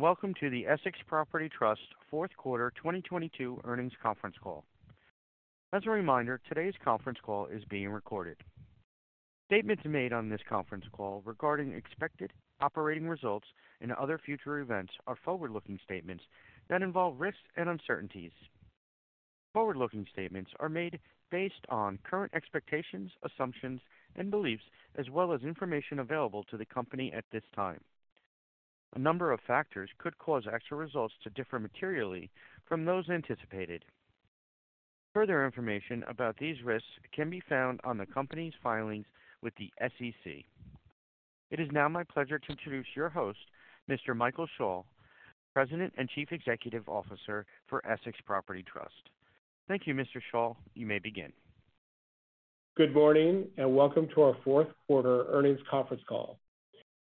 Welcome to the Essex Property Trust Fourth Quarter 2022 Earnings Conference Call. As a reminder, today's conference call is being recorded. Statements made on this conference call regarding expected operating results and other future events are forward-looking statements that involve risks and uncertainties. Forward-looking statements are made based on current expectations, assumptions and beliefs as well as information available to the company at this time. A number of factors could cause actual results to differ materially from those anticipated. Further information about these risks can be found on the company's filings with the SEC. It is now my pleasure to introduce your host, Mr. Michael Schall, President and Chief Executive Officer for Essex Property Trust. Thank you, Mr. Schall. You may begin. Good morning, welcome to our Fourth Quarter Earnings Conference Call.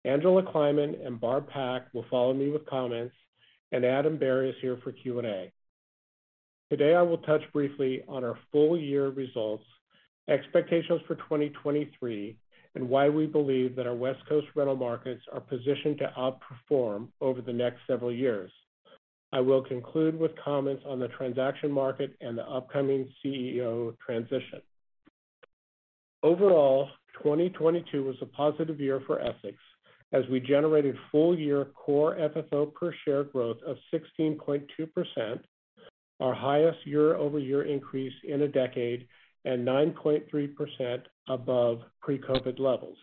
Angela Kleiman and Barb Pak will follow me with comments, Adam Berry is here for Q&A. Today, I will touch briefly on our full year results, expectations for 2023, why we believe that our West Coast rental markets are positioned to outperform over the next several years. I will conclude with comments on the transaction market and the upcoming Chief Executive Officer transition. Overall, 2022 was a positive year for Essex as we generated full-year Core FFO per share growth of 16.2%, our highest year-over-year increase in a decade, 9.3% above pre-COVID levels.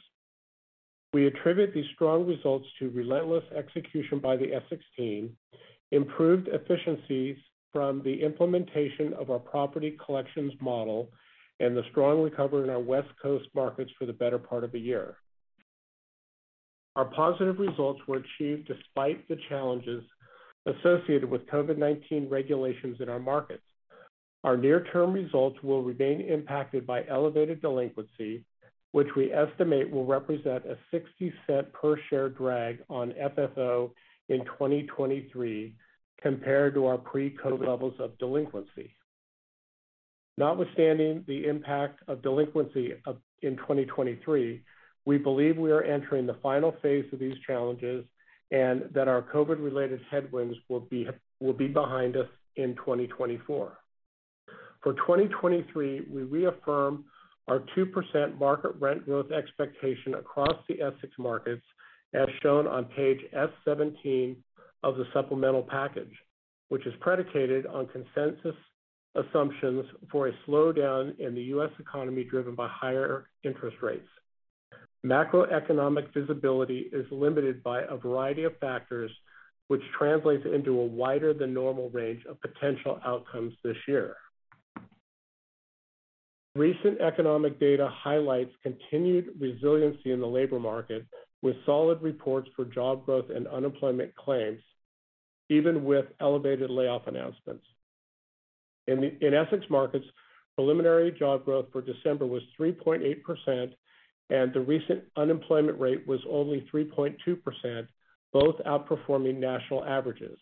We attribute these strong results to relentless execution by the Essex team, improved efficiencies from the implementation of our property collections model, and the strong recovery in our West Coast markets for the better part of the year. Our positive results were achieved despite the challenges associated with COVID-19 regulations in our markets. Our near-term results will remain impacted by elevated delinquency, which we estimate will represent a $0.60 per share drag on FFO in 2023 compared to our pre-COVID levels of delinquency. Notwithstanding the impact of delinquency in 2023, we believe we are entering the final phase of these challenges and that our COVID-related headwinds will be behind us in 2024. For 2023, we reaffirm our 2% market rent growth expectation across the Essex markets as shown on page S-17 of the supplemental package, which is predicated on consensus assumptions for a slowdown in the U.S. economy driven by higher interest rates. Macroeconomic visibility is limited by a variety of factors, which translates into a wider than normal range of potential outcomes this year. Recent economic data highlights continued resiliency in the labor market with solid reports for job growth and unemployment claims, even with elevated layoff announcements. In Essex markets, preliminary job growth for December was 3.8%, and the recent unemployment rate was only 3.2%, both outperforming national averages.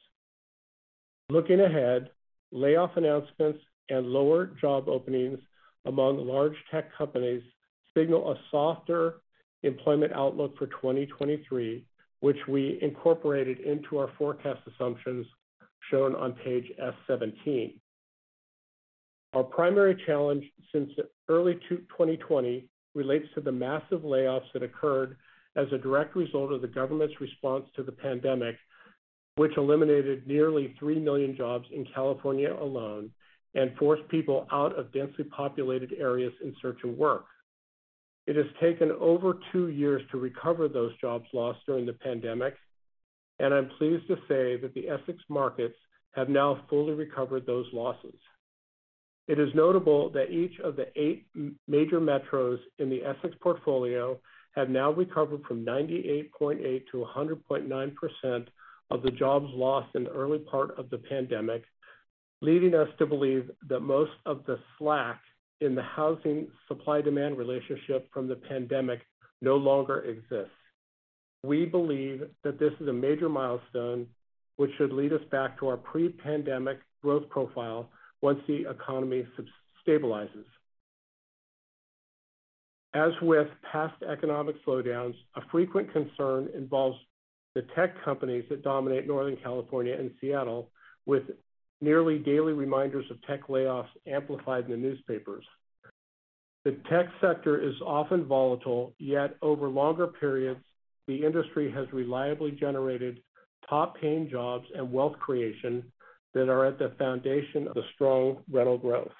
Looking ahead, layoff announcements and lower job openings among large tech companies signal a softer employment outlook for 2023, which we incorporated into our forecast assumptions shown on page S-17. Our primary challenge since early 2020 relates to the massive layoffs that occurred as a direct result of the government's response to the pandemic, which eliminated nearly 3 million jobs in California alone and forced people out of densely populated areas in search of work. It has taken over two years to recover those jobs lost during the pandemic, and I'm pleased to say that the Essex markets have now fully recovered those losses. It is notable that each of the eight major metros in the Essex portfolio have now recovered from 98.8%-100.9% of the jobs lost in the early part of the pandemic, leading us to believe that most of the slack in the housing supply-demand relationship from the pandemic no longer exists. We believe that this is a major milestone which should lead us back to our pre-pandemic growth profile once the economy stabilizes. As with past economic slowdowns, a frequent concern involves the tech companies that dominate Northern California and Seattle with nearly daily reminders of tech layoffs amplified in the newspapers. The tech sector is often volatile, yet over longer periods, the industry has reliably generated top paying jobs and wealth creation that are at the foundation of the strong rental growth.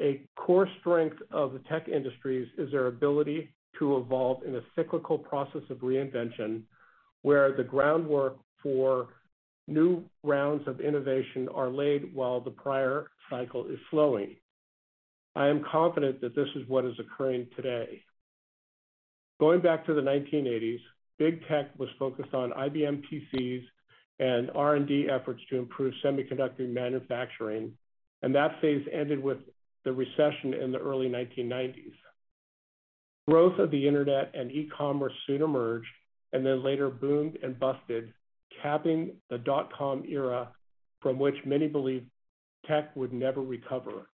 A core strength of the tech industries is their ability to evolve in a cyclical process of reinvention, where the groundwork for new rounds of innovation are laid while the prior cycle is slowing. I am confident that this is what is occurring today. Going back to the 1980s, big tech was focused on IBM PCs and R&D efforts to improve semiconductor manufacturing. That phase ended with the recession in the early 1990s. Growth of the internet and e-commerce soon emerged. Later boomed and busted, capping the dot-com era from which many believed tech would never recover.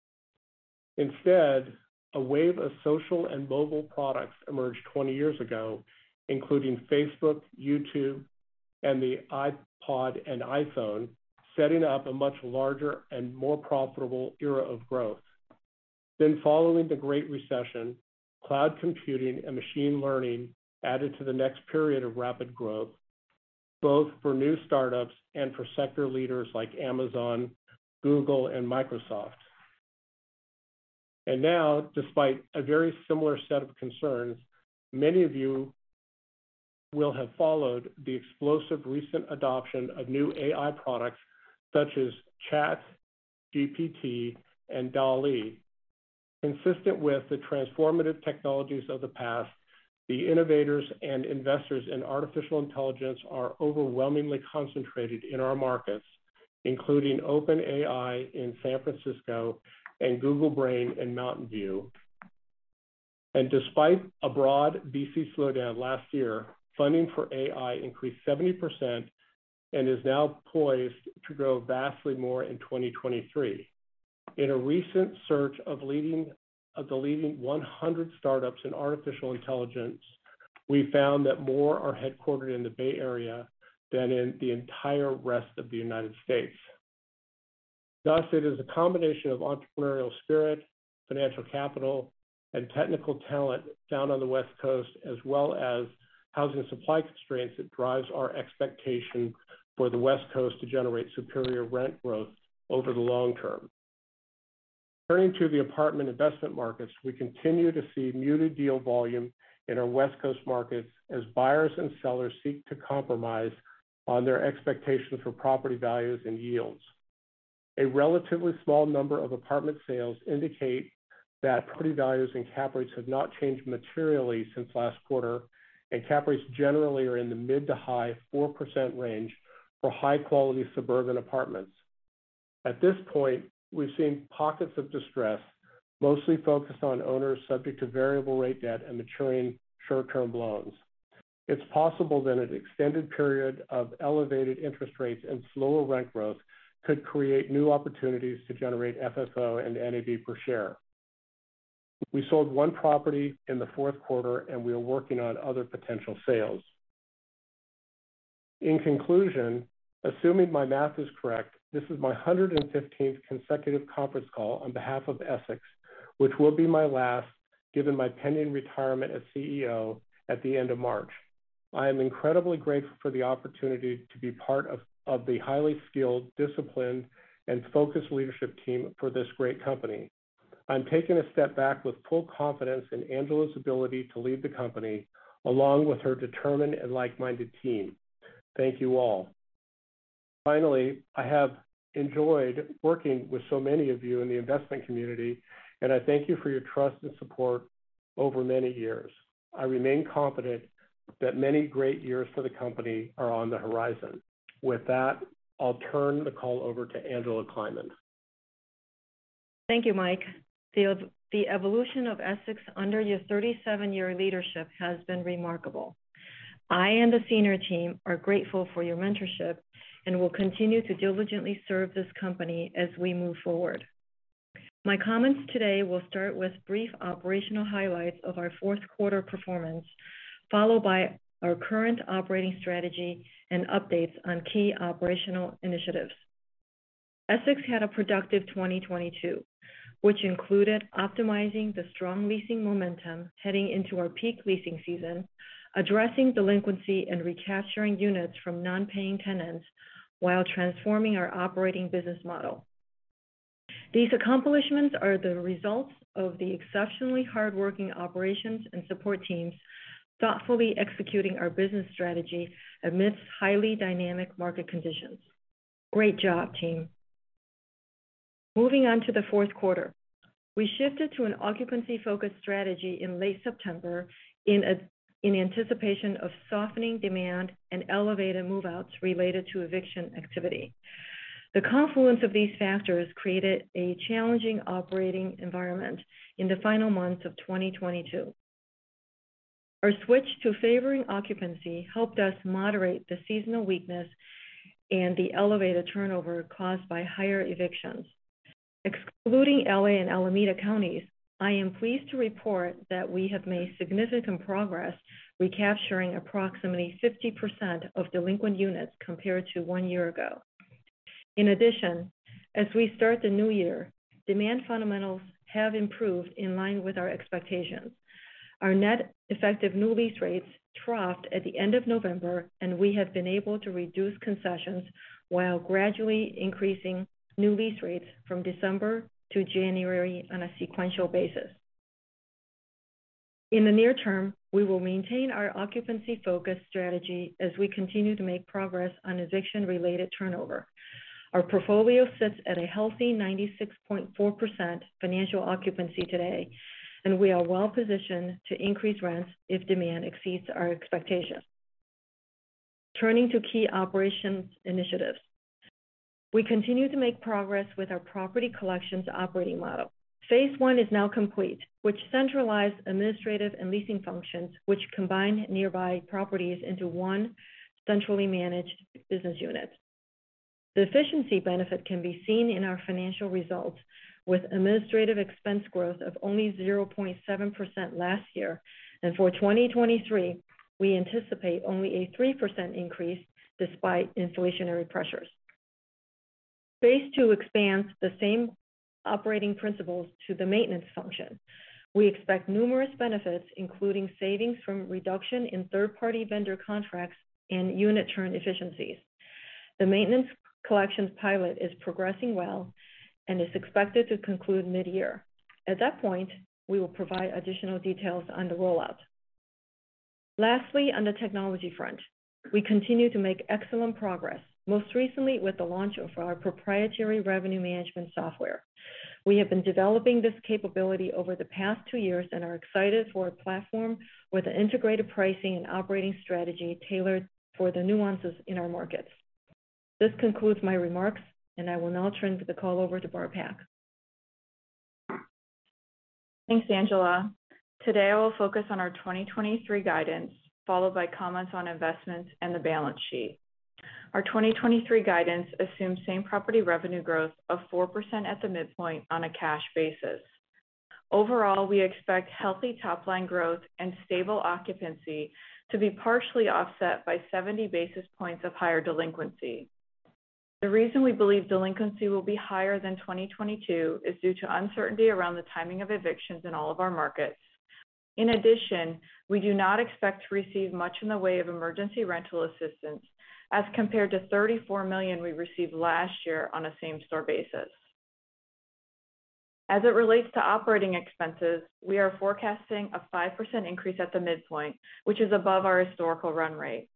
Instead, a wave of social and mobile products emerged 20 years ago, including Facebook, YouTube, and the iPod and iPhone, setting up a much larger and more profitable era of growth. Following the Great Recession, cloud computing and machine learning added to the next period of rapid growth, both for new startups and for sector leaders like Amazon, Google, and Microsoft. Now, despite a very similar set of concerns, many of you will have followed the explosive recent adoption of new AI products such as ChatGPT and DALL-E. Consistent with the transformative technologies of the past, the innovators and investors in artificial intelligence are overwhelmingly concentrated in our markets, including OpenAI in San Francisco and Google Brain in Mountain View. Despite a broad VC slowdown last year, funding for AI increased 70% and is now poised to grow vastly more in 2023. In a recent search of the leading 100 startups in artificial intelligence, we found that more are headquartered in the Bay Area than in the entire rest of the United States. It is a combination of entrepreneurial spirit, financial capital, and technical talent found on the West Coast as well as housing supply constraints that drives our expectation for the West Coast to generate superior rent growth over the long term. Turning to the apartment investment markets, we continue to see muted deal volume in our West Coast markets as buyers and sellers seek to compromise on their expectations for property values and yields. A relatively small number of apartment sales indicate that property values and cap rates have not changed materially since last quarter, cap rates generally are in the mid to high 4% range for high-quality suburban apartments. At this point, we're seeing pockets of distress, mostly focused on owners subject to variable rate debt and maturing short-term loans. It's possible that an extended period of elevated interest rates and slower rent growth could create new opportunities to generate FFO and NAV per share. We sold one property in the fourth quarter, and we are working on other potential sales. In conclusion, assuming my math is correct, this is my 115th consecutive conference call on behalf of Essex, which will be my last given my pending retirement as Chief Executive Officer at the end of March. I am incredibly grateful for the opportunity to be part of the highly skilled, disciplined, and focused leadership team for this great company. I'm taking a step back with full confidence in Angela's ability to lead the company, along with her determined and like-minded team. Thank you all. Finally, I have enjoyed working with so many of you in the investment community, and I thank you for your trust and support over many years. I remain confident that many great years for the company are on the horizon. With that, I'll turn the call over to Angela Kleiman. Thank you, Mike. The evolution of Essex under your 37-year leadership has been remarkable. I and the senior team are grateful for your mentorship and will continue to diligently serve this company as we move forward. My comments today will start with brief operational highlights of our fourth quarter performance, followed by our current operating strategy and updates on key operational initiatives. Essex had a productive 2022, which included optimizing the strong leasing momentum heading into our peak leasing season, addressing delinquency and recapturing units from non-paying tenants while transforming our operating business model. These accomplishments are the result of the exceptionally hardworking operations and support teams thoughtfully executing our business strategy amidst highly dynamic market conditions. Great job, team. Moving on to the fourth quarter. We shifted to an occupancy-focused strategy in late September in anticipation of softening demand and elevated move-outs related to eviction activity. The confluence of these factors created a challenging operating environment in the final months of 2022. Our switch to favoring occupancy helped us moderate the seasonal weakness and the elevated turnover caused by higher evictions. Excluding L.A. and Alameda counties, I am pleased to report that we have made significant progress recapturing approximately 50% of delinquent units compared to one year ago. In addition, as we start the new year, demand fundamentals have improved in line with our expectations. Our net effective new lease rates troughed at the end of November, and we have been able to reduce concessions while gradually increasing new lease rates from December to January on a sequential basis. In the near term, we will maintain our occupancy-focused strategy as we continue to make progress on eviction-related turnover. Our portfolio sits at a healthy 96.4% financial occupancy today, and we are well positioned to increase rents if demand exceeds our expectations. Turning to key operations initiatives. We continue to make progress with our Property Collections Operating Model. Phase one is now complete, which centralized administrative and leasing functions, which combined nearby properties into one centrally managed business unit. The efficiency benefit can be seen in our financial results with administrative expense growth of only 0.7% last year. For 2023, we anticipate only a 3% increase despite inflationary pressures. Phase II expands the same operating principles to the maintenance function. We expect numerous benefits, including savings from reduction in third-party vendor contracts and unit churn efficiencies. The maintenance collections pilot is progressing well and is expected to conclude mid-year. At that point, we will provide additional details on the rollout. Lastly, on the technology front, we continue to make excellent progress, most recently with the launch of our proprietary revenue management software. We have been developing this capability over the past two years and are excited for a platform with an integrated pricing and operating strategy tailored for the nuances in our markets. This concludes my remarks, and I will now turn the call over to Barb Pak. Thanks, Angela. Today, I will focus on our 2023 guidance, followed by comments on investments and the balance sheet. Our 2023 guidance assumes same-property revenue growth of 4% at the midpoint on a cash basis. Overall, we expect healthy top line growth and stable occupancy to be partially offset by 70 basis points of higher delinquency. The reason we believe delinquency will be higher than 2022 is due to uncertainty around the timing of evictions in all of our markets. In addition, we do not expect to receive much in the way of emergency rental assistance as compared to $34 million we received last year on a same-store basis. As it relates to operating expenses, we are forecasting a 5% increase at the midpoint, which is above our historical run rate.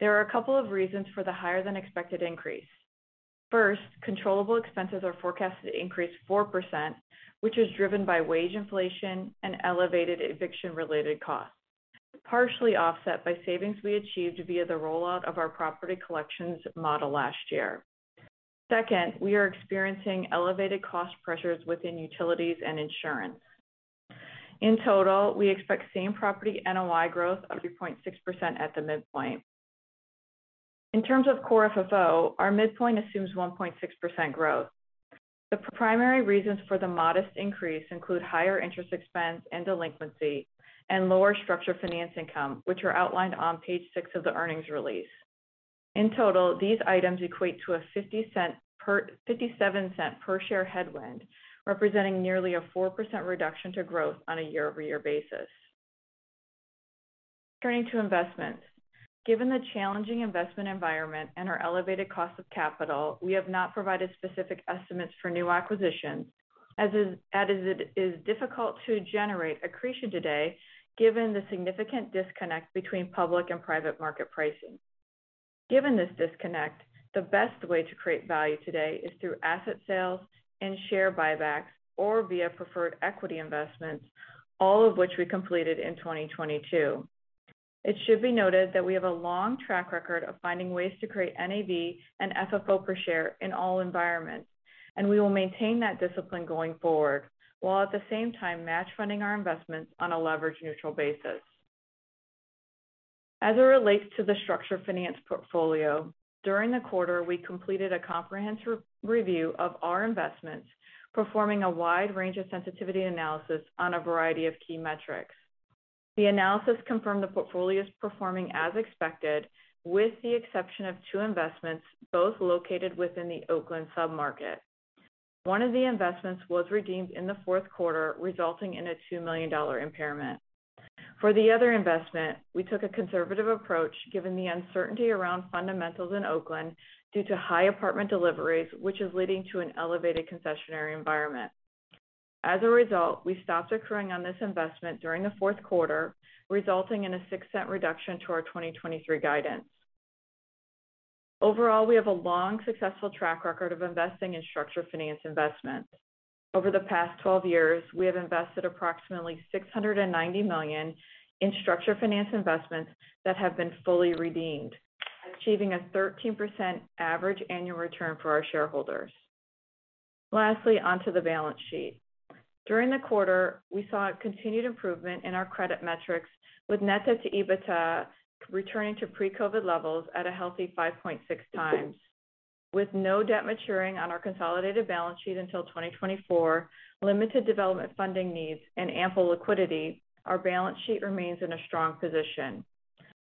There are a couple of reasons for the higher than expected increase. First, controllable expenses are forecasted to increase 4%, which is driven by wage inflation and elevated eviction-related costs, partially offset by savings we achieved via the rollout of our property collections model last year. Second, we are experiencing elevated cost pressures within utilities and insurance. In total, we expect same property NOI growth of 3.6% at the midpoint. In terms of Core FFO, our midpoint assumes 1.6% growth. The primary reasons for the modest increase include higher interest expense and delinquency and lower structured finance income, which are outlined on page six of the earnings release. In total, these items equate to a $0.57 per share headwind, representing nearly a 4% reduction to growth on a year-over-year basis. Turning to investments. Given the challenging investment environment and our elevated cost of capital, we have not provided specific estimates for new acquisitions, as it is difficult to generate accretion today given the significant disconnect between public and private market pricing. Given this disconnect, the best way to create value today is through asset sales and share buybacks or via preferred equity investments, all of which we completed in 2022. It should be noted that we have a long track record of finding ways to create NAV and FFO per share in all environments, and we will maintain that discipline going forward, while at the same time match funding our investments on a leverage neutral basis. As it relates to the structured finance portfolio, during the quarter, we completed a comprehensive review of our investments, performing a wide range of sensitivity analysis on a variety of key metrics. The analysis confirmed the portfolio is performing as expected, with the exception of two investments, both located within the Oakland sub-market. One of the investments was redeemed in the fourth quarter, resulting in a $2 million impairment. For the other investment, we took a conservative approach given the uncertainty around fundamentals in Oakland due to high apartment deliveries, which is leading to an elevated concessionary environment. As a result, we stopped accruing on this investment during the fourth quarter, resulting in a $0.06 reduction to our 2023 guidance. Overall, we have a long, successful track record of investing in structured finance investments. Over the past 12 years, we have invested approximately $690 million in structured finance investments that have been fully redeemed, achieving a 13% average annual return for our shareholders. Lastly, onto the balance sheet. During the quarter, we saw a continued improvement in our credit metrics, with net debt to EBITDA returning to pre-COVID levels at a healthy 5.6 times. With no debt maturing on our consolidated balance sheet until 2024, limited development funding needs and ample liquidity, our balance sheet remains in a strong position.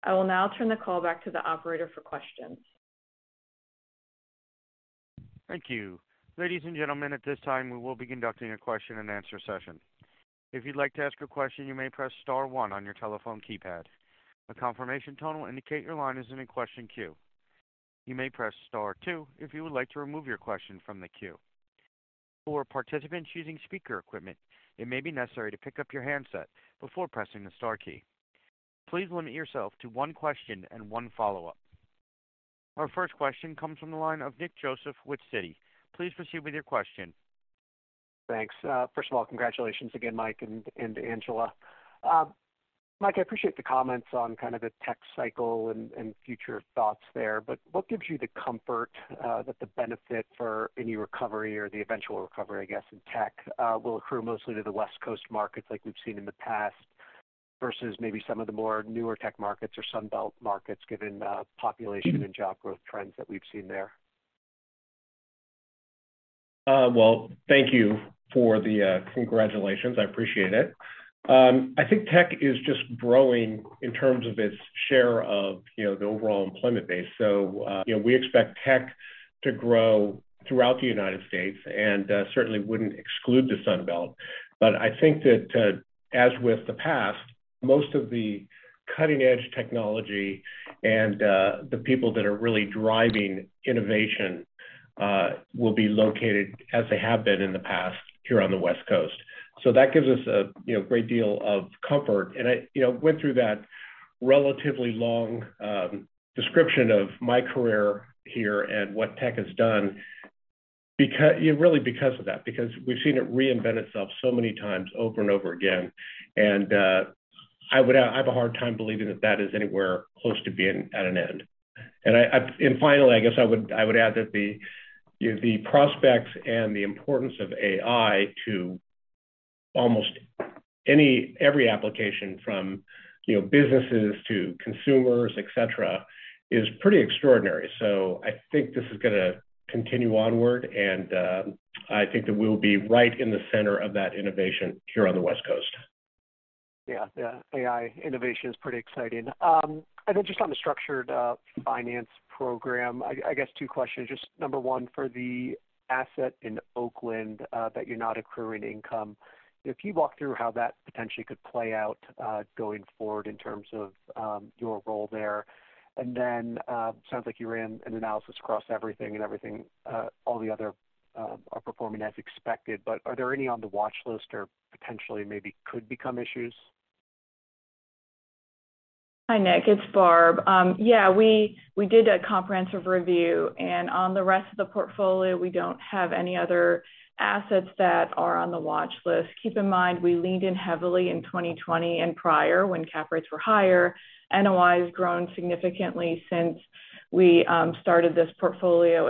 I will now turn the call back to the operator for questions. Thank you. Ladies and gentlemen, at this time, we will be conducting a question and answer session. If you'd like to ask a question, you may press star one on your telephone keypad. A confirmation tone will indicate your line is in a question queue. You may press star two if you would like to remove your question from the queue. For participants using speaker equipment, it may be necessary to pick up your handset before pressing the star key. Please limit yourself to one question and one follow-up. Our first question comes from the line of Nick Joseph with Citi. Please proceed with your question. Thanks. First of all, congratulations again, Mike and Angela. Mike, I appreciate the comments on kind of the tech cycle and future thoughts there. What gives you the comfort that the benefit for any recovery or the eventual recovery, I guess, in tech, will accrue mostly to the West Coast markets like we've seen in the past? Versus maybe some of the more newer tech markets or Sun Belt markets, given the population and job growth trends that we've seen there. Well, thank you for the congratulations. I appreciate it. I think tech is just growing in terms of its share of, you know, the overall employment base. You know, we expect tech to grow throughout the United States and certainly wouldn't exclude the Sun Belt. I think that as with the past, most of the cutting-edge technology and the people that are really driving innovation will be located, as they have been in the past, here on the West Coast. That gives us a, you know, great deal of comfort. I, you know, went through that relatively long description of my career here and what tech has done really because of that, because we've seen it reinvent itself so many times over and over again. I would have a hard time believing that that is anywhere close to being at an end. Finally, I guess I would add that the, you know, the prospects and the importance of AI to almost every application from, you know, businesses to consumers, et cetera, is pretty extraordinary. I think this is gonna continue onward, and I think that we'll be right in the center of that innovation here on the West Coast. Yeah. The AI innovation is pretty exciting. Just on the structured finance program, I guess two questions. Just number one, for the asset in Oakland, that you're not accruing income, if you walk through how that potentially could play out going forward in terms of your role there. Sounds like you ran an analysis across everything and everything, all the other are performing as expected, but are there any on the watchlist or potentially maybe could become issues? Hi, Nick. It's Barb. Yeah, we did a comprehensive review. On the rest of the portfolio, we don't have any other assets that are on the watchlist. Keep in mind, we leaned in heavily in 2020 and prior when cap rates were higher. NOI has grown significantly since we started this portfolio.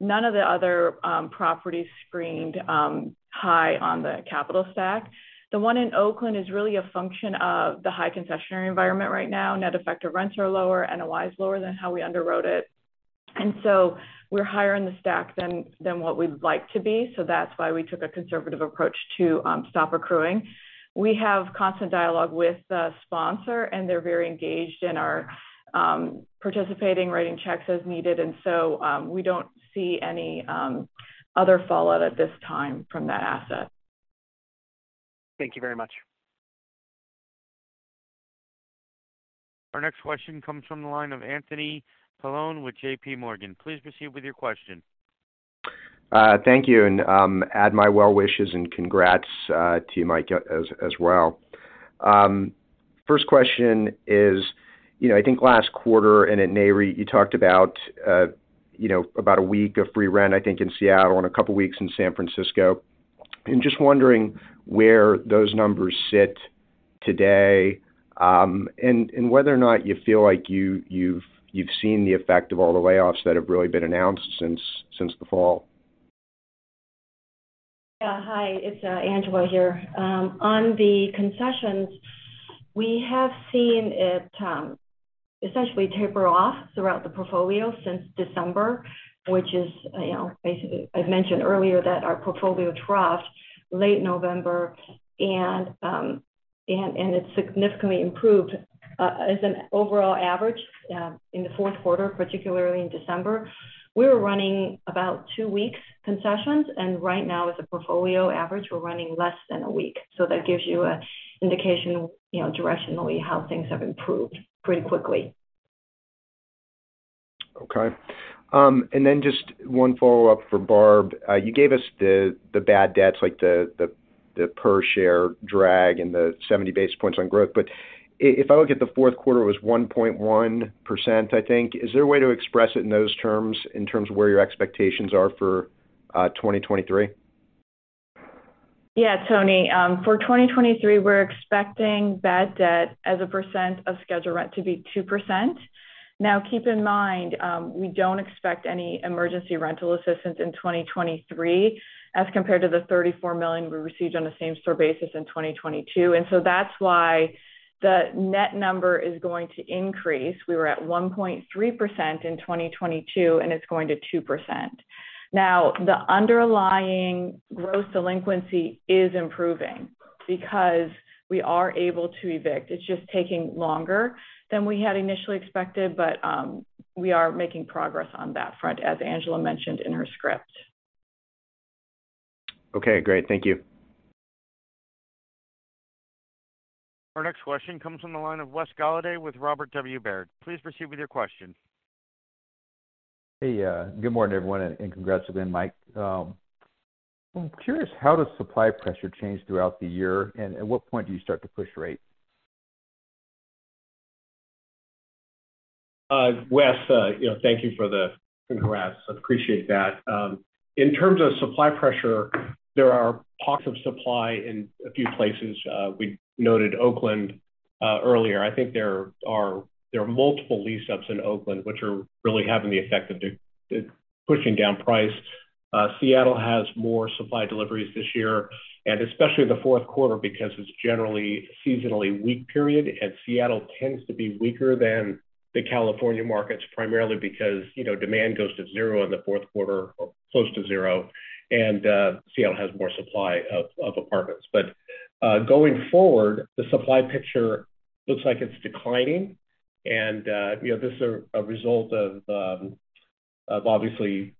None of the other properties screened high on the capital stack. The one in Oakland is really a function of the high concessionary environment right now. Net effective rents are lower, NOI is lower than how we underwrote it. We're higher in the stack than what we'd like to be. That's why we took a conservative approach to stop accruing. We have constant dialogue with the sponsor, and they're very engaged and are participating, writing checks as needed. We don't see any other fallout at this time from that asset. Thank you very much. Our next question comes from the line of Anthony Paolone with J.P. Morgan. Please proceed with your question. Thank you. Add my well wishes and congrats to you, Mike, as well. First question is, you know, I think last quarter and at Nareit, you talked about, you know, about a week of free rent, I think, in Seattle and a couple of weeks in San Francisco. I'm just wondering where those numbers sit today, and whether or not you've seen the effect of all the layoffs that have really been announced since the fall? Yeah. Hi, it's Angela here. On the concessions, we have seen it essentially taper off throughout the portfolio since December, which is, you know, basically I'd mentioned earlier that our portfolio troughed late November and it's significantly improved as an overall average in the fourth quarter, particularly in December. We were running about two weeks concessions, and right now as a portfolio average, we're running less than one week. That gives you a indication, you know, directionally how things have improved pretty quickly. Okay. Just one follow-up for Barb. You gave us the bad debts, like the per share drag and the 70 basis points on growth. If I look at the fourth quarter, it was 1.1%, I think. Is there a way to express it in those terms in terms of where your expectations are for 2023? Yeah, Tony. For 2023, we're expecting bad debt as a percent of scheduled rent to be 2%. Keep in mind, we don't expect any emergency rental assistance in 2023 as compared to the $34 million we received on a same-store basis in 2022. That's why the net number is going to increase. We were at 1.3% in 2022, and it's going to 2%. Now, the underlying gross delinquency is improving because we are able to evict. It's just taking longer than we had initially expected, but we are making progress on that front, as Angela mentioned in her script. Okay, great. Thank you. Our next question comes from the line of Wes Golladay with Robert W. Baird. Please proceed with your question. Hey. Good morning, everyone, and congrats again, Mike. I'm curious, how does supply pressure change throughout the year, and at what point do you start to push rates? Wes, you know, thank you for the congrats. I appreciate that. In terms of supply pressure, there are pockets of supply in a few places. We noted Oakland. Earlier, I think there are multiple lease ups in Oakland, which are really having the effect of pushing down price. Seattle has more supply deliveries this year, and especially in the fourth quarter because it's generally seasonally weak period, and Seattle tends to be weaker than the California markets, primarily because, you know, demand goes to zero in the fourth quarter or close to zero, and Seattle has more supply of apartments. Going forward, the supply picture looks like it's declining, you know, this is a result of obviously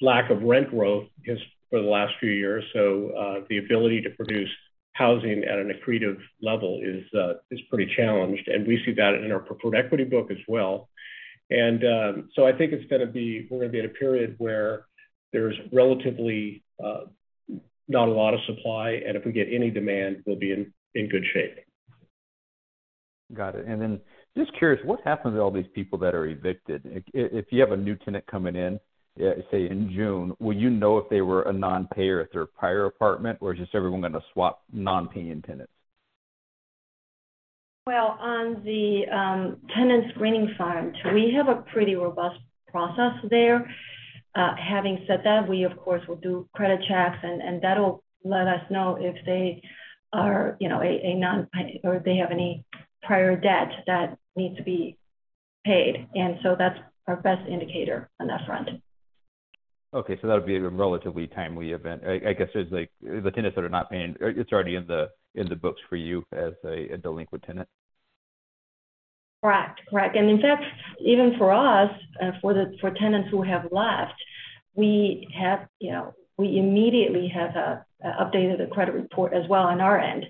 lack of rent growth just for the last few years. The ability to produce housing at an accretive level is pretty challenged, and we see that in our preferred equity book as well. I think we're gonna be in a period where there's relatively not a lot of supply, and if we get any demand, we'll be in good shape. Got it. Just curious, what happens to all these people that are evicted? If you have a new tenant coming in, say in June, will you know if they were a non-payer at their prior apartment, or is just everyone gonna swap non-paying tenants? Well, on the tenant screening front, we have a pretty robust process there. Having said that, we of course will do credit checks and that'll let us know if they are, you know, a non-pay or if they have any prior debt that needs to be paid. That's our best indicator on that front. Okay. That would be a relatively timely event. I guess it's like the tenants that are not paying, it's already in the books for you as a delinquent tenant. Correct. Correct. In fact, even for us, for the tenants who have left, we have, you know, we immediately have updated the credit report as well on our end.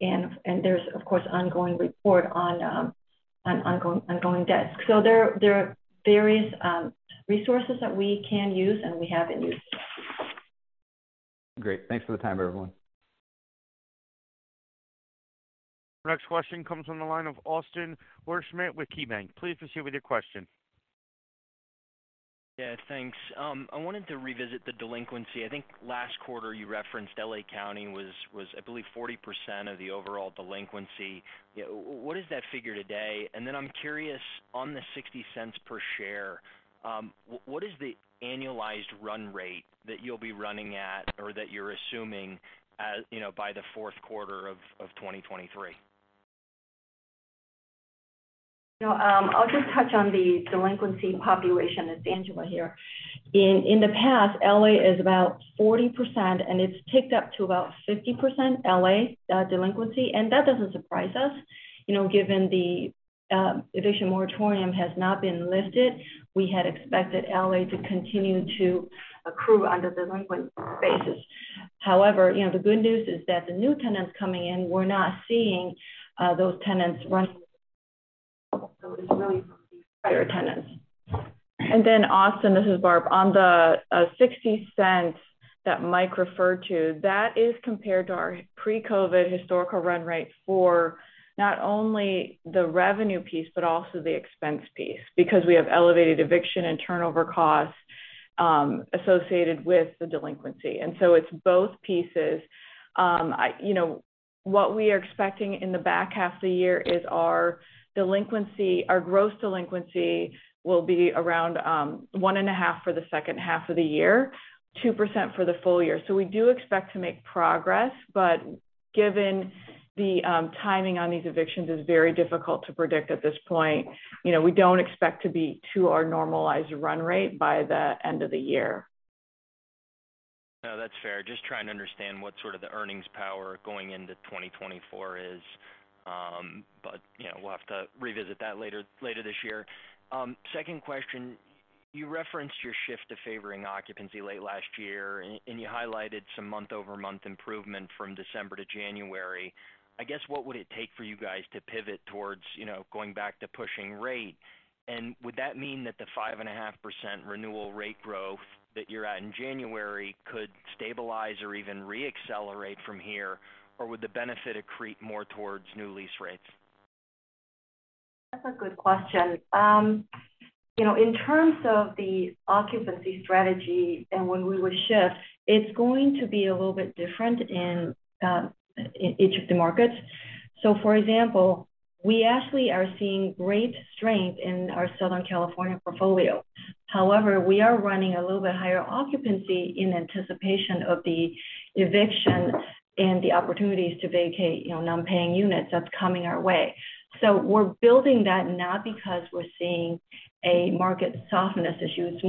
There's of course ongoing report on ongoing debts. There are various resources that we can use, and we have in use. Great. Thanks for the time, everyone. Next question comes from the line of Austin Wurschmidt with KeyBank. Please proceed with your question. Yeah, thanks. I wanted to revisit the delinquency. I think last quarter you referenced L.A. County was, I believe, 40% of the overall delinquency. You know, what is that figure today? I'm curious, on the $0.60 per share, what is the annualized run rate that you'll be running at or that you're assuming, as, you know, by the fourth quarter of 2023? You know, I'll just touch on the delinquency population. It's Angela here. In the past, L.A. is about 40%. It's ticked up to about 50% L.A. delinquency. That doesn't surprise us. You know, given the eviction moratorium has not been lifted, we had expected L.A. to continue to accrue under delinquent spaces. However, you know, the good news is that the new tenants coming in, we're not seeing those tenants run prior tenants. Austin, this is Barb. On the $0.60 that Mike referred to, that is compared to our pre-COVID historical run rate for not only the revenue piece, but also the expense piece, because we have elevated eviction and turnover costs associated with the delinquency. It's both pieces. You know, what we are expecting in the back half of the year is our delinquency, our gross delinquency will be around 1.5% for the second half of the year, 2% for the full year. We do expect to make progress, but given the timing on these evictions is very difficult to predict at this point. You know, we don't expect to be to our normalized run rate by the end of the year. No, that's fair. Just trying to understand what sort of the earnings power going into 2024 is. You know, we'll have to revisit that later this year. Second question. You referenced your shift to favoring occupancy late last year, and you highlighted some month-over-month improvement from December to January. I guess, what would it take for you guys to pivot towards, you know, going back to pushing rate? Would that mean that the 5.5% renewal rate growth that you're at in January could stabilize or even re-accelerate from here? Or would the benefit accrete more towards new lease rates? That's a good question. you know, in terms of the occupancy strategy and when we will shift, it's going to be a little bit different in each of the markets. For example, we actually are seeing great strength in our Southern California portfolio. However, we are running a little bit higher occupancy in anticipation of the eviction and the opportunities to vacate, you know, non-paying units that's coming our way. We're building that not because we're seeing a market softness issue. It's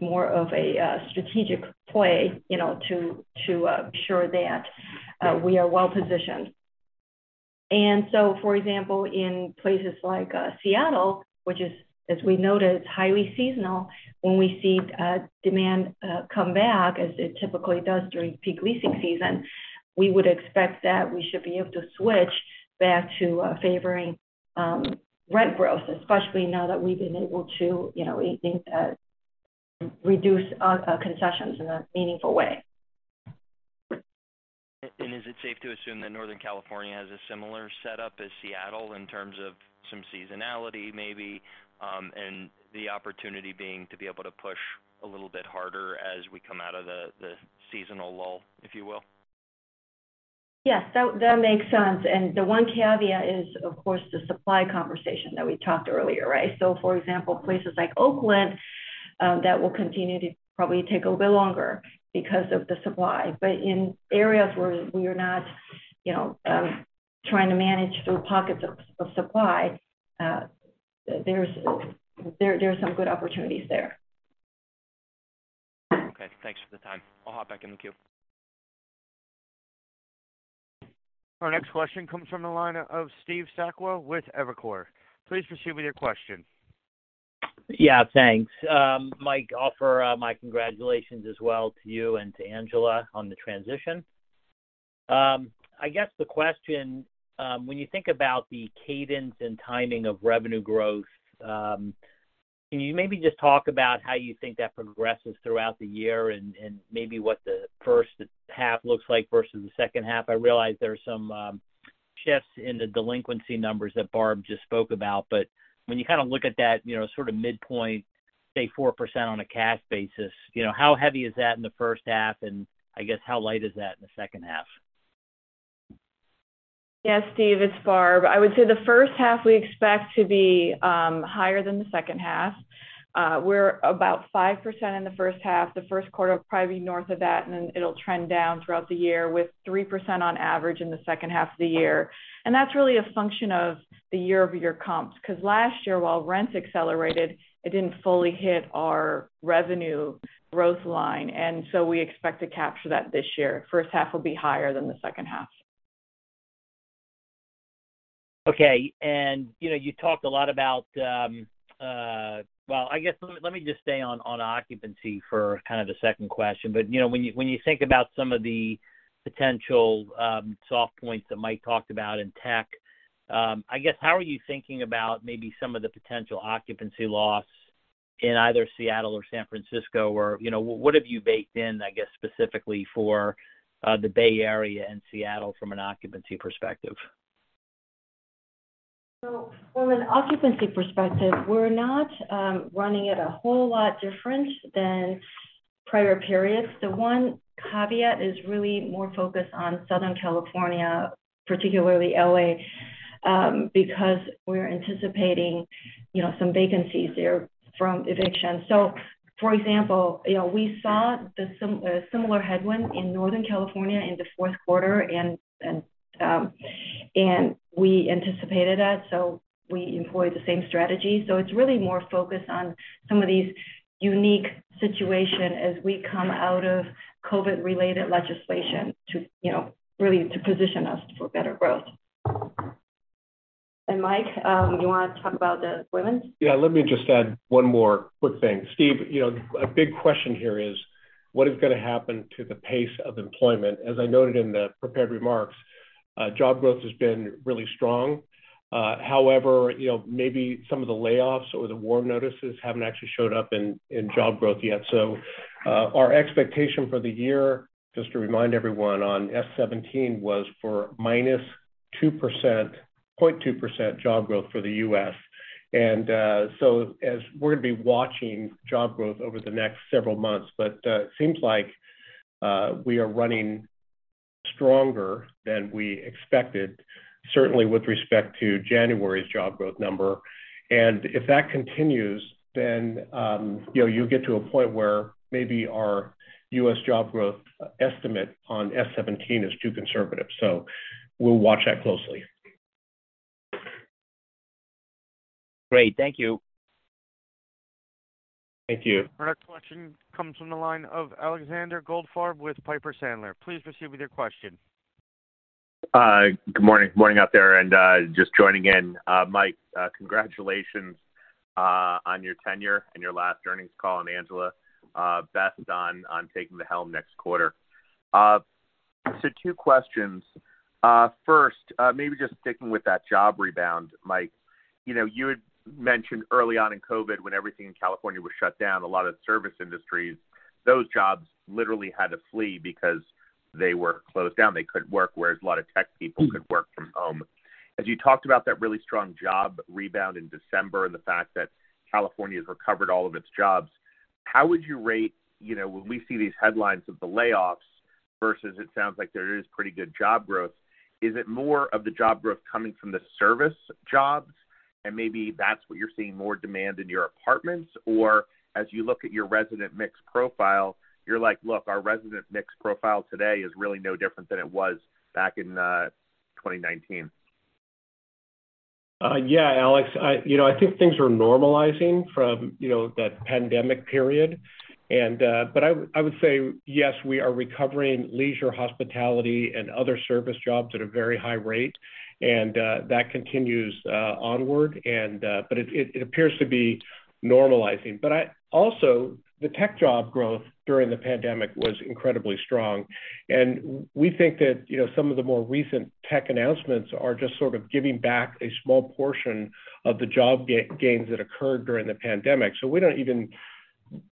more of a strategic play, you know, to ensure that we are well-positioned. For example, in places like Seattle, which is, as we noted, is highly seasonal, when we see demand come back, as it typically does during peak leasing season, we would expect that we should be able to switch back to favoring rent growth, especially now that we've been able to, you know, reduce concessions in a meaningful way. Is it safe to assume that Northern California has a similar setup as Seattle in terms of some seasonality maybe, and the opportunity being to be able to push a little bit harder as we come out of the seasonal lull, if you will? Yes, that makes sense. The one caveat is, of course, the supply conversation that we talked earlier, right? For example, places like Oakland, that will continue to probably take a little bit longer because of the supply. In areas where we are not, you know, trying to manage through pockets of supply, there are some good opportunities there. Okay, thanks for the time. I'll hop back in the queue. Our next question comes from the line of Steve Sakwa with Evercore. Please proceed with your question. Yeah, thanks. Mike, offer my congratulations as well to you and to Angela on the transition. I guess the question, when you think about the cadence and timing of revenue growth, can you maybe just talk about how you think that progresses throughout the year and maybe what the first half looks like versus the second half? I realize there are some shifts in the delinquency numbers that Barb just spoke about. When you kind of look at that, you know, sort of midpoint, say 4% on a cash basis, you know, how heavy is that in the first half, and I guess how light is that in the second half? Yes, Steve, it's Barb. I would say the first half we expect to be higher than the second half. We're about 5% in the first half. The first quarter will probably be north of that, and then it'll trend down throughout the year with 3% on average in the second half of the year. That's really a function of the year-over-year comps. Last year, while rents accelerated, it didn't fully hit our revenue growth line. We expect to capture that this year. First half will be higher than the second half. Okay. You know, you talked a lot about. Well, I guess let me just stay on occupancy for kind of the second question. You know, when you think about some of the potential soft points that Mike talked about in tech, I guess how are you thinking about maybe some of the potential occupancy loss in either Seattle or San Francisco or, you know, what have you baked in, I guess, specifically for the Bay Area and Seattle from an occupancy perspective? From an occupancy perspective, we're not running it a whole lot different than prior periods. The one caveat is really more focused on Southern California, particularly L.A., because we're anticipating, you know, some vacancies there from evictions. For example, you know, we saw the similar headwind in Northern California in the fourth quarter, and we anticipated that, so we employed the same strategy. It's really more focused on some of these unique situation as we come out of COVID-related legislation to, you know, really to position us for better growth. Mike, you wanna talk about the employment? Yeah. Let me just add one more quick thing. Steve, you know, a big question here is what is gonna happen to the pace of employment? As I noted in the prepared remarks, job growth has been really strong. However, you know, maybe some of the layoffs or the WARN notices haven't actually showed up in job growth yet. Our expectation for the year, just to remind everyone on F-17 was for -0.2% job growth for the U.S. We're gonna be watching job growth over the next several months, but seems like we are running stronger than we expected, certainly with respect to January's job growth number. If that continues, then, you know, you'll get to a point where maybe our U.S. job growth estimate on F-17 is too conservative. We'll watch that closely. Great. Thank you. Thank you. Our next question comes from the line of Alexander Goldfarb with Piper Sandler. Please proceed with your question. Good morning. Morning out there. Just joining in. Mike, congratulations on your tenure and your last earnings call, and Angela, best on taking the helm next quarter. Two questions. First, maybe just sticking with that job rebound, Mike. You know, you had mentioned early on in COVID-19 when everything in California was shut down, a lot of service industries, those jobs literally had to flee because they were closed down. They couldn't work, whereas a lot of tech people could work from home. As you talked about that really strong job rebound in December and the fact that California's recovered all of its jobs, how would you rate, you know, when we see these headlines of the layoffs versus it sounds like there is pretty good job growth, is it more of the job growth coming from the service jobs, and maybe that's what you're seeing more demand in your apartments? As you look at your resident mix profile, you're like, "Look, our resident mix profile today is really no different than it was back in 2019"? Yeah, Alex. You know, I think things are normalizing from, you know, that pandemic period. But I would say, yes, we are recovering leisure, hospitality, and other service jobs at a very high rate, and that continues onward. It, it appears to be normalizing. Also, the tech job growth during the pandemic was incredibly strong, and we think that, you know, some of the more recent tech announcements are just sort of giving back a small portion of the job gains that occurred during the pandemic. We don't even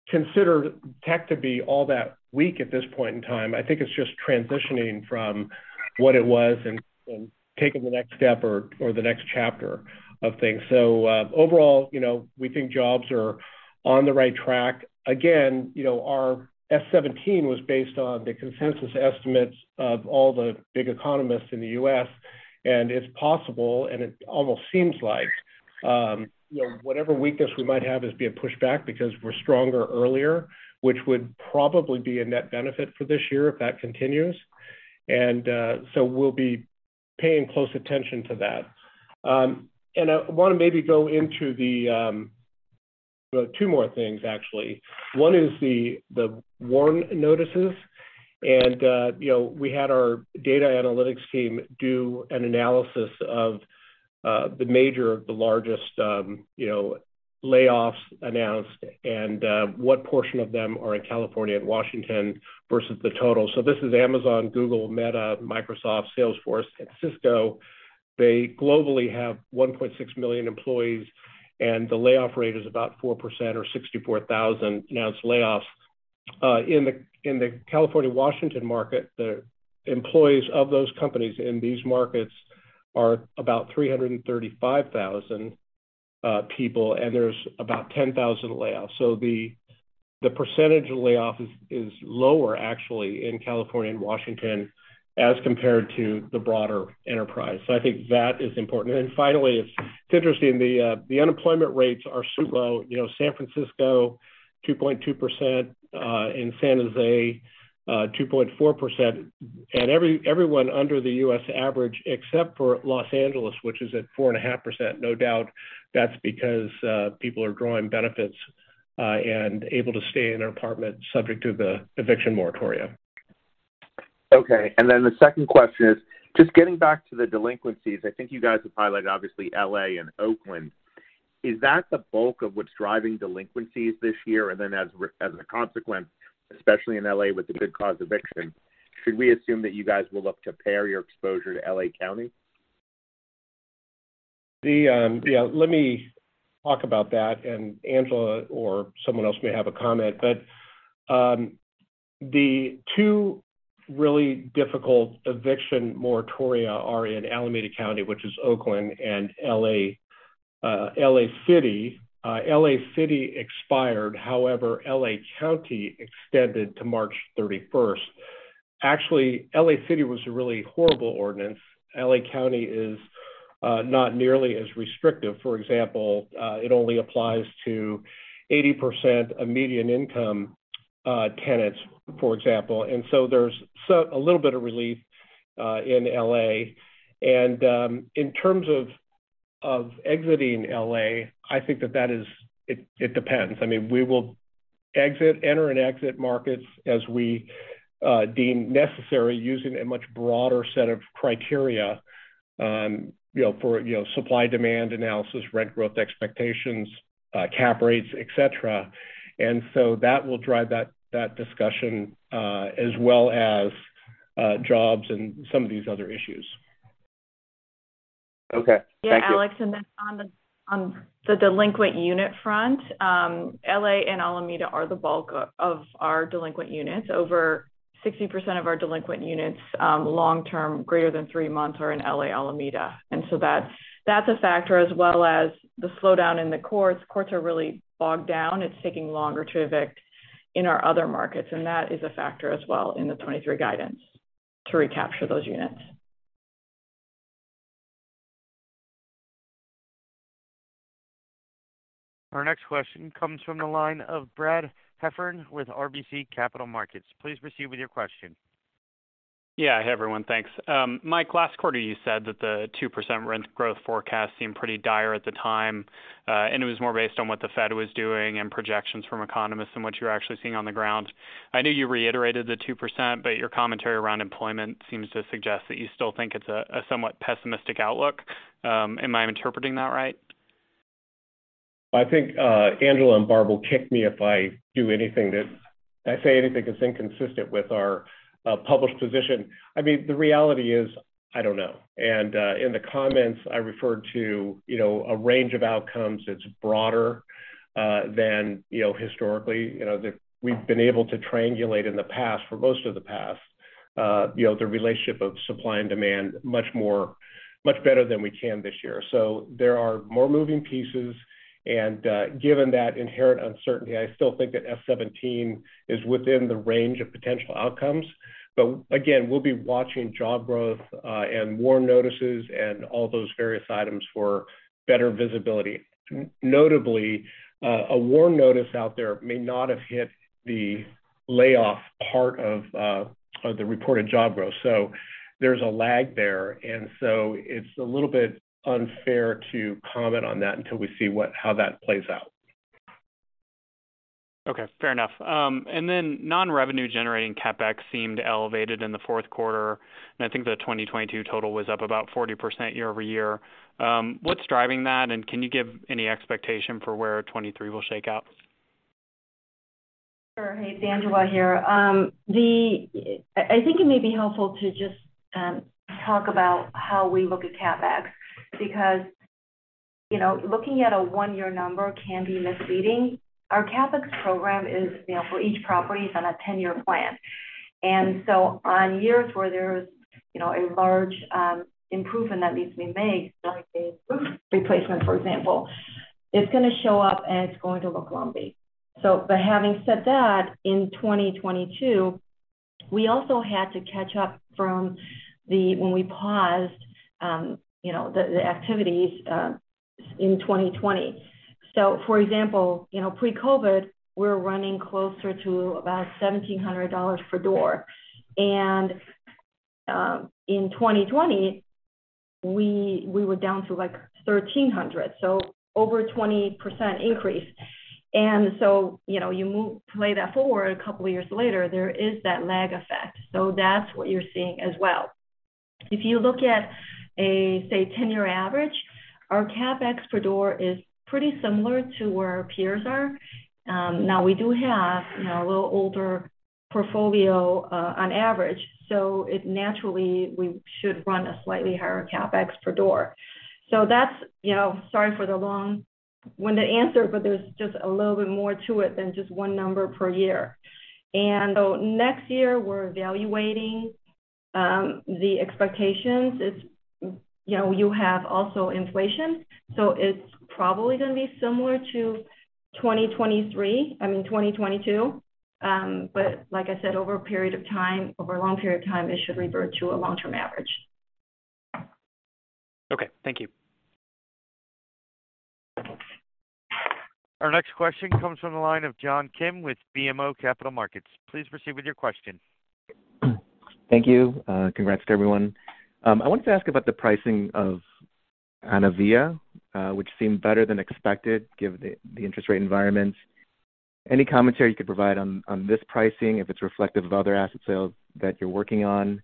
consider tech to be all that weak at this point in time. I think it's just transitioning from what it was and taking the next step or the next chapter of things. Overall, you know, we think jobs are on the right track. You know, our F-17 was based on the consensus estimates of all the big economists in the U.S. It's possible, and it almost seems like, you know, whatever weakness we might have is being pushed back because we're stronger earlier, which would probably be a net benefit for this year if that continues. We'll be paying close attention to that. I wanna maybe go into the two more things actually. One is the WARN notices. You know, we had our data analytics team do an analysis of the largest, you know, layoffs announced and what portion of them are in California and Washington versus the total. This is Amazon, Google, Meta, Microsoft, Salesforce, and Cisco. They globally have 1.6 million employees, and the layoff rate is about 4% or 64,000 announced layoffs. In the California-Washington market. The employees of those companies in these markets are about 335,000 people, and there's about 10,000 layoffs. The percentage of layoff is lower actually in California and Washington as compared to the broader enterprise. I think that is important. Finally, it's interesting, the unemployment rates are super low. You know, San Francisco, 2.2%, in San Jose, 2.4%. Everyone under the U.S. average except for Los Angeles, which is at 4.5%. No doubt, that's because people are drawing benefits and able to stay in their apartment subject to the eviction moratoria. Okay. The second question is just getting back to the delinquencies. I think you guys have highlighted obviously L.A. and Oakland. Is that the bulk of what's driving delinquencies this year? As a consequence, especially in L.A. with the just cause eviction, should we assume that you guys will look to pare your exposure to L.A. County? Let me talk about that, Angela or someone else may have a comment. The two really difficult eviction moratoria are in Alameda County, which is Oakland and L.A., L.A. City. L.A. City expired, however, L.A. County extended to March 31st. Actually, L.A. City was a really horrible ordinance. L.A. County is not nearly as restrictive. For example, it only applies to 80% of median income tenants, for example. There's a little bit of relief in L.A. In terms of exiting L.A., I think that it depends. I mean, we will enter and exit markets as we deem necessary using a much broader set of criteria, you know, for supply, demand analysis, rent growth expectations, cap rates, et cetera. That will drive that discussion, as well as, jobs and some of these other issues. Okay. Thank you. Alex, then on the delinquent unit front, L.A. and Alameda are the bulk of our delinquent units. Over 60% of our delinquent units, long term, greater than 3 months, are in L.A., Alameda. That's a factor as well as the slowdown in the courts. Courts are really bogged down. It's taking longer to evict in our other markets, that is a factor as well in the 2023 guidance to recapture those units. Our next question comes from the line of Brad Heffern with RBC Capital Markets. Please proceed with your question. Yeah. Hey, everyone. Thanks. Mike, last quarter you said that the 2% rent growth forecast seemed pretty dire at the time, and it was more based on what the Fed was doing and projections from economists than what you're actually seeing on the ground. I know you reiterated the 2%, but your commentary around employment seems to suggest that you still think it's a somewhat pessimistic outlook. Am I interpreting that right? I think Angela and Barb will kick me if I say anything that's inconsistent with our published position. I mean, the reality is I don't know. In the comments, I referred to, you know, a range of outcomes that's broader than, you know, historically. You know, We've been able to triangulate in the past, for most of the past, you know, the relationship of supply and demand much more, much better than we can this year. There are more moving pieces. Given that inherent uncertainty, I still think that F-17 is within the range of potential outcomes. Again, we'll be watching job growth and WARN notices and all those various items for better visibility. Notably, a WARN notice out there may not have hit the layoff part of the reported job growth, so there's a lag there. It's a little bit unfair to comment on that until we see what how that plays out. Okay, fair enough. Non-revenue generating CapEx seemed elevated in the fourth quarter, and I think the 2022 total was up about 40% year-over-year. What's driving that, and can you give any expectation for where 2023 will shake out? Sure. Hey, it's Angela here. I think it may be helpful to just talk about how we look at CapEx because, you know, looking at a one-year number can be misleading. Our CapEx program is, you know, for each property is on a 10-year plan. On years where there's, you know, a large improvement that needs to be made, like a roof replacement, for example, it's gonna show up, and it's going to look lumpy. But having said that, in 2022, we also had to catch up from when we paused, you know, activities in 2020. For example, you know, pre-COVID-19, we were running closer to about $1,700 per door. In 2020, we were down to, like, $1,300, so over 20% increase. you know, you play that forward a couple of years later, there is that lag effect. That's what you're seeing as well. If you look at a, say, 10-year average, our CapEx per door is pretty similar to where our peers are. Now we do have, you know, a little older portfolio, on average, so it naturally we should run a slightly higher CapEx per door. That's, you know. Sorry for the long-winded answer, but there's just a little bit more to it than just 1 number per year. Next year, we're evaluating the expectations. It's, you know, you have also inflation, so it's probably gonna be similar to 2023, I mean 2022. Like I said, over a period of time, over a long period of time, it should revert to a long-term average. Okay. Thank you. Our next question comes from the line of John Kim with BMO Capital Markets. Please proceed with your question. Thank you. Congrats to everyone. I wanted to ask about the pricing of Anavia, which seemed better than expected given the interest rate environment. Any commentary you could provide on this pricing, if it's reflective of other asset sales that you're working on?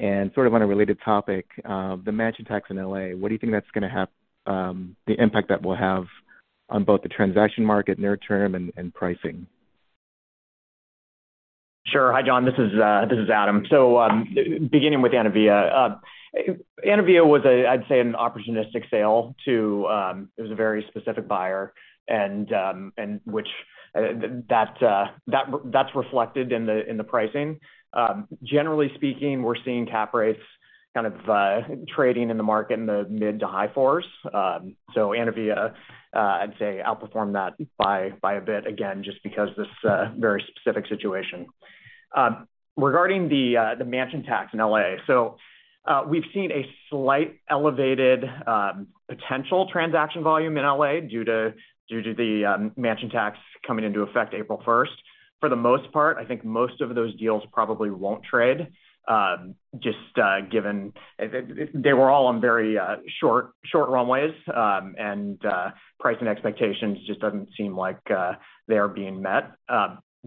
Sort of on a related topic, the mansion tax in L.A., what do you think that's gonna have, the impact that will have on both the transaction market near term and pricing? Sure. Hi, John. This is Adam. Beginning with Anavia. Anavia was I'd say an opportunistic sale to it was a very specific buyer and that's reflected in the pricing. Generally speaking, we're seeing cap rates kind of trading in the market in the mid to high 4s. Anavia I'd say outperformed that by a bit, again, just because this very specific situation. Regarding the mansion tax in L.A. We've seen a slight elevated potential transaction volume in L.A. due to the mansion tax coming into effect April first. For the most part, I think most of those deals probably won't trade, just given they were all on very short runways. Pricing expectations just doesn't seem like they're being met.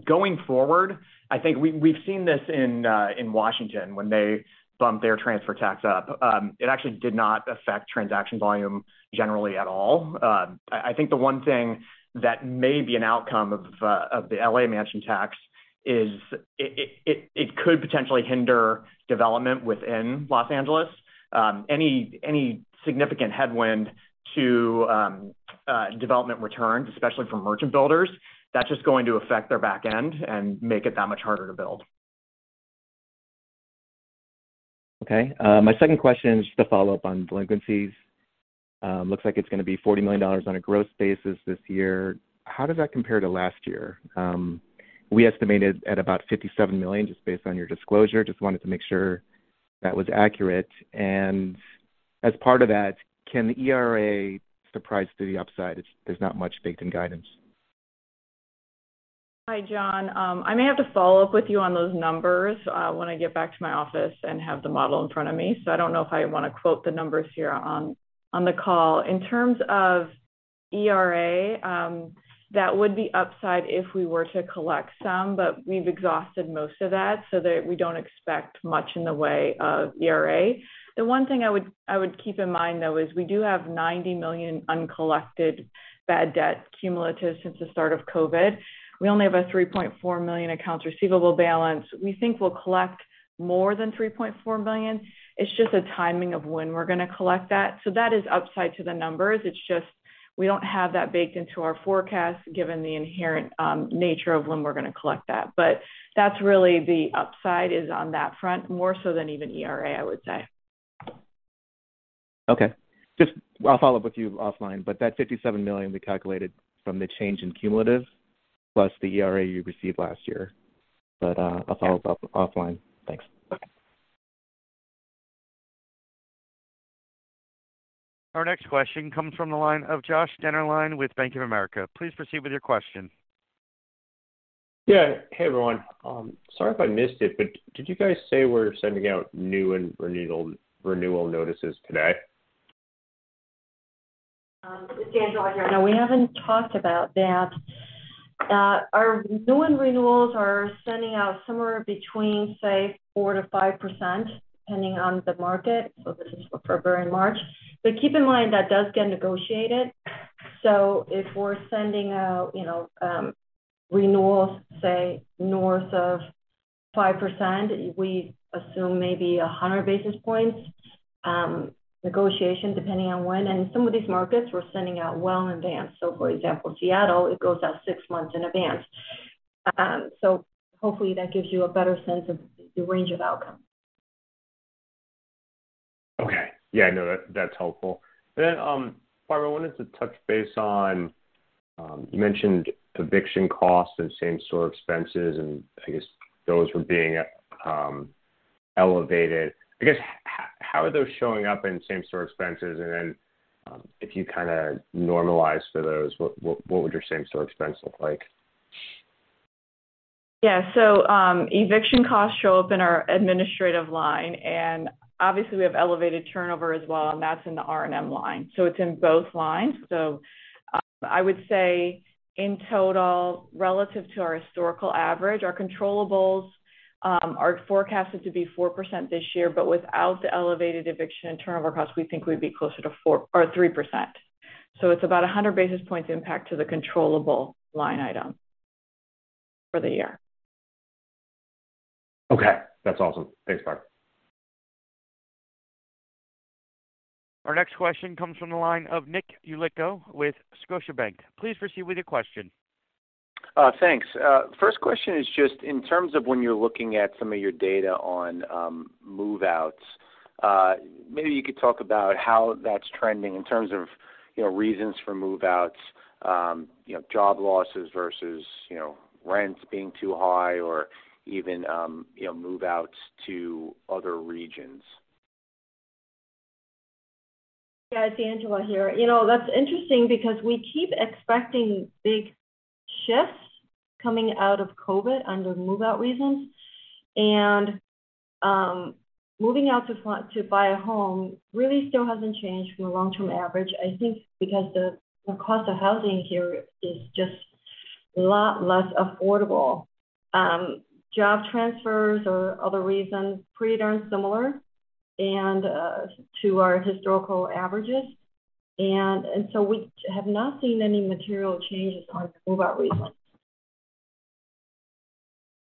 Going forward, I think we've seen this in Washington when they bumped their transfer tax up. It actually did not affect transaction volume generally at all. I think the one thing that may be an outcome of the L.A. mansion tax is it could potentially hinder development within Los Angeles. Any significant headwind to development returns, especially for merchant builders, that's just going to affect their back end and make it that much harder to build. My second question is just a follow-up on delinquencies. Looks like it's gonna be $40 million on a gross basis this year. How does that compare to last year? We estimated at about $57 million just based on your disclosure. Just wanted to make sure that was accurate. As part of that, can ERA surprise to the upside? There's not much baked in guidance. Hi, John. I may have to follow up with you on those numbers when I get back to my office and have the model in front of me. I don't know if I wanna quote the numbers here on the call. In terms of ERA, that would be upside if we were to collect some, but we've exhausted most of that so that we don't expect much in the way of ERA. The one thing I would keep in mind, though, is we do have $90 million uncollected bad debt cumulative since the start of COVID. We only have a $3.4 million accounts receivable balance. We think we'll collect more than $3.4 million. It's just a timing of when we're gonna collect that. That is upside to the numbers. It's just we don't have that baked into our forecast given the inherent nature of when we're gonna collect that. That's really the upside is on that front, more so than even ERA, I would say. Okay. Just I'll follow up with you offline, but that $57 million we calculated from the change in cumulative plus the ERA you received last year. I'll follow up offline. Thanks. Okay. Our next question comes from the line of Joshua Dennerlein with Bank of America. Please proceed with your question. Yeah. Hey, everyone. Sorry if I missed it, but did you guys say we're sending out new and renewal notices today? It's Angela here. No, we haven't talked about that. Our new and renewals are sending out somewhere between, say, 4%-5%, depending on the market. This is for February and March. Keep in mind that does get negotiated. If we're sending out, you know, renewals, say north of 5%, we assume maybe 100 basis points negotiation depending on when. Some of these markets we're sending out well in advance. For example, Seattle, it goes out 6 months in advance. Hopefully that gives you a better sense of the range of outcome. Okay. Yeah, no, that's helpful. Barbara, I wanted to touch base on, you mentioned eviction costs and same-store expenses, and I guess those were being elevated. I guess, how are those showing up in same-store expenses? If you kinda normalize for those, what would your same-store expense look like? Eviction costs show up in our administrative line. Obviously we have elevated turnover as well, and that's in the R&M line. It's in both lines. I would say in total, relative to our historical average, our controllables are forecasted to be 4% this year, but without the elevated eviction and turnover costs, we think we'd be closer to 3%. It's about 100 basis points impact to the controllable line item for the year. Okay. That's awesome. Thanks, Barbara. Our next question comes from the line of Nick Yulico with Scotiabank. Please proceed with your question. Thanks. First question is just in terms of when you're looking at some of your data on move-outs, maybe you could talk about how that's trending in terms of, you know, reasons for move-outs, you know, job losses versus, you know, rents being too high or even, you know, move-outs to other regions? Yeah. It's Angela here. You know, that's interesting because we keep expecting big shifts coming out of COVID under move-out reasons. Moving out to buy a home really still hasn't changed from a long-term average, I think because the cost of housing here is just a lot less affordable. Job transfers or other reasons, pretty darn similar to our historical averages. We have not seen any material changes on move-out reasons.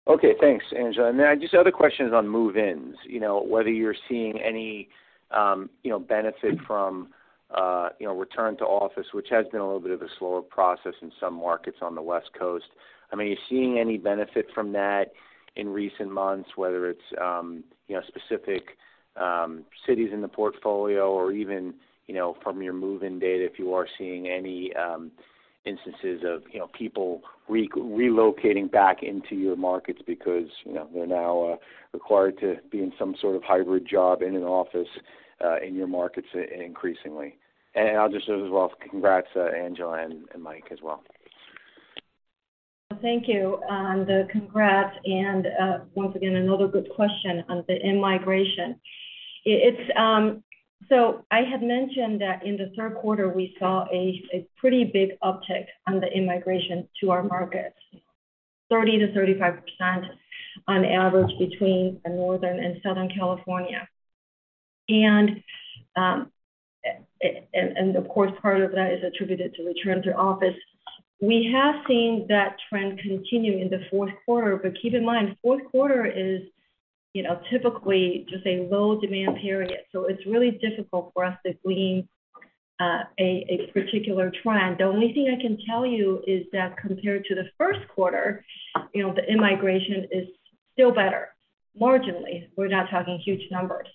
Okay. Thanks, Angela. Other question is on move-ins? You know, whether you're seeing any, you know, benefit from, you know, return to office, which has been a little bit of a slower process in some markets on the West Coast. I mean, are you seeing any benefit from that in recent months, whether it's, you know, specific cities in the portfolio or even, you know, from your move-in data, if you are seeing any instances of, you know, people re-relocating back into your markets because, you know, they're now required to be in some sort of hybrid job in an office, in your markets increasingly? I'll just as well congrats, Angela and Mike as well. Thank you on the congrats and once again, another good question on the in-migration. It's I had mentioned that in the third quarter we saw a pretty big uptick on the in-migration to our markets, 30%-35% on average between Northern and Southern California. Of course, part of that is attributed to return to office. We have seen that trend continue in the fourth quarter, but keep in mind, fourth quarter is, you know, typically just a low demand period, so it's really difficult for us to glean a particular trend. The only thing I can tell you is that compared to the first quarter, you know, the in-migration is still better, marginally. We're not talking huge numbers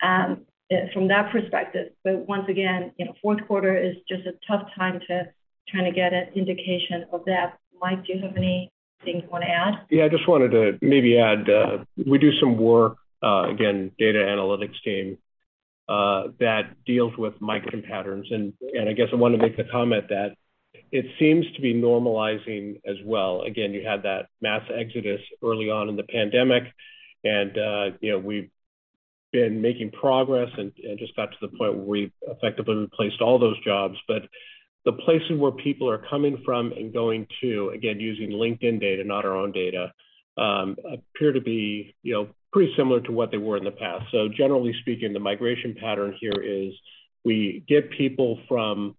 from that perspective. once again, you know, fourth quarter is just a tough time to try to get an indication of that. Mike, do you have anything you wanna add? Yeah, I just wanted to maybe add, we do some work, again, data analytics team, that deals with migrant patterns. And I guess I wanna make the comment that it seems to be normalizing as well. Again, you had that mass exodus early on in the pandemic and, you know, we've been making progress and just got to the point where we've effectively replaced all those jobs. But the places where people are coming from and going to, again, using LinkedIn data, not our own data, appear to be, you know, pretty similar to what they were in the past. So generally speaking, the migration pattern here is we get people from,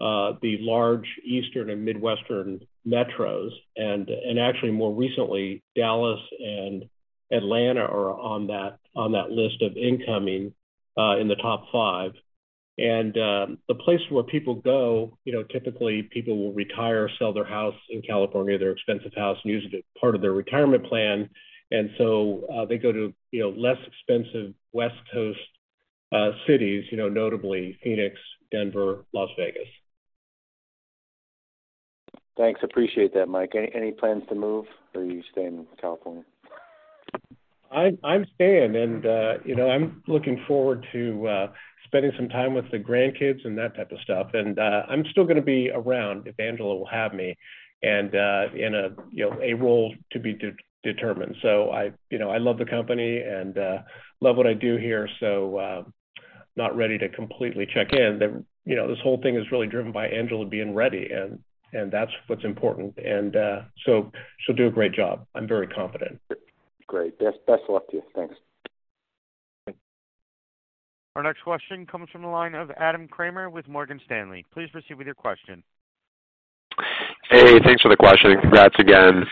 the large Eastern and Midwestern metros and actually more recently, Dallas and Atlanta are on that list of incoming, in the top five. The places where people go, you know, typically people will retire, sell their house in California, their expensive house, and use it as part of their retirement plan. They go to, you know, less expensive West Coast cities, you know, notably Phoenix, Denver, Las Vegas. Thanks. Appreciate that, Mike. Any plans to move or are you staying in California? I'm staying and, you know, I'm looking forward to spending some time with the grandkids and that type of stuff. I'm still gonna be around if Angela will have me, and, in a, you know, a role to be determined. I, you know, I love the company and love what I do here, so, not ready to completely check in. You know, this whole thing is really driven by Angela being ready and that's what's important. She'll do a great job. I'm very confident. Great. Best of luck to you. Thanks. Our next question comes from the line of Adam Kramer with Morgan Stanley. Please proceed with your question. Hey, thanks for the question, and congrats again.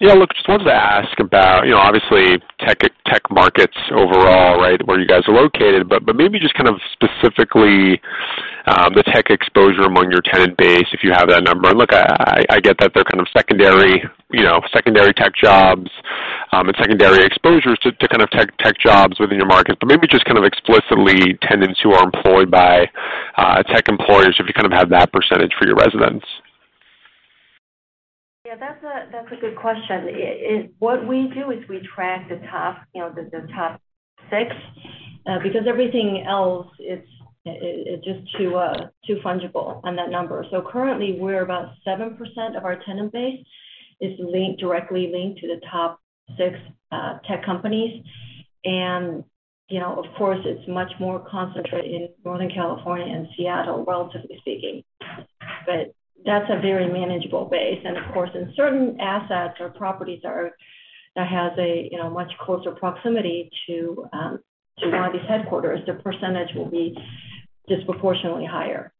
You know, look, just wanted to ask about, you know, obviously tech markets overall, right, where you guys are located, but maybe just kind of specifically, the tech exposure among your tenant base, if you have that number? Look, I get that they're kind of secondary tech jobs, and secondary exposures to kind of tech jobs within your market. Maybe just kind of explicitly tenants who are employed by tech employers, if you kind of have that percentage for your residents? Yeah, that's a good question. What we do is we track the top, you know, the top six, because everything else it's just too fungible on that number. Currently, we're about 7% of our tenant base is linked, directly linked to the top six tech companies. You know, of course, it's much more concentrated in Northern California and Seattle, relatively speaking. That's a very manageable base. Of course, in certain assets or properties that has a, you know, much closer proximity to one of these headquarters, the percentage will be disproportionately higher.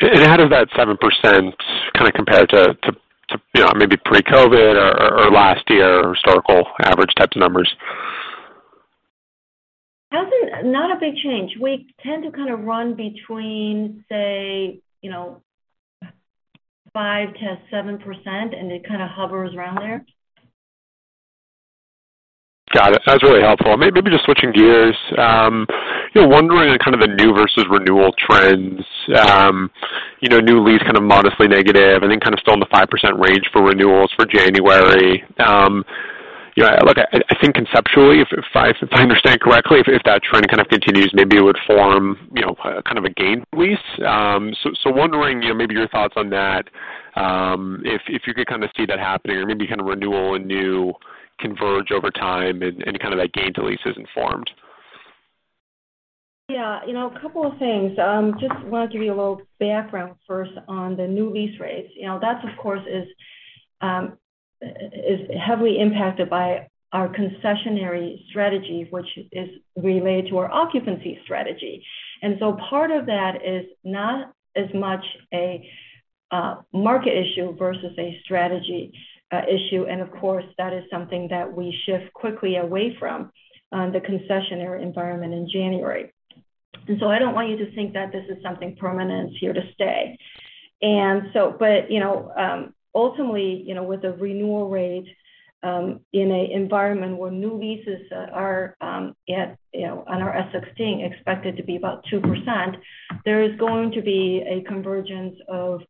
How does that 7% kind of compare to, you know, maybe pre-COVID or last year or historical average types of numbers? Not a big change. We tend to kinda run between, say, you know, 5%-7%, and it kinda hovers around there. Got it. That's really helpful. Maybe just switching gears, you know, wondering in kind of the new versus renewal trends. You know, new lease kind of modestly negative, I think kind of still in the 5% range for renewals for January. You know, look, I think conceptually, if I, if I understand correctly, if that trend kind of continues, maybe it would form, you know, kind of a gain to lease. Wondering, you know, maybe your thoughts on that, if you could kind of see that happening or maybe kind of renewal and new converge over time and kind of that gain to lease isn't formed. Yeah. You know, a couple of things. Just wanted to give you a little background first on the new lease rates. You know, that of course is heavily impacted by our concessionary strategy, which is related to our occupancy strategy. Part of that is not as much a market issue versus a strategy issue. Of course, that is something that we shift quickly away from the concessionary environment in January. I don't want you to think that this is something permanent and it's here to stay. You know, ultimately, you know, with the renewal rate, in a environment where new leases are, at, you know, on our S-16 expected to be about 2%, there is going to be a convergence of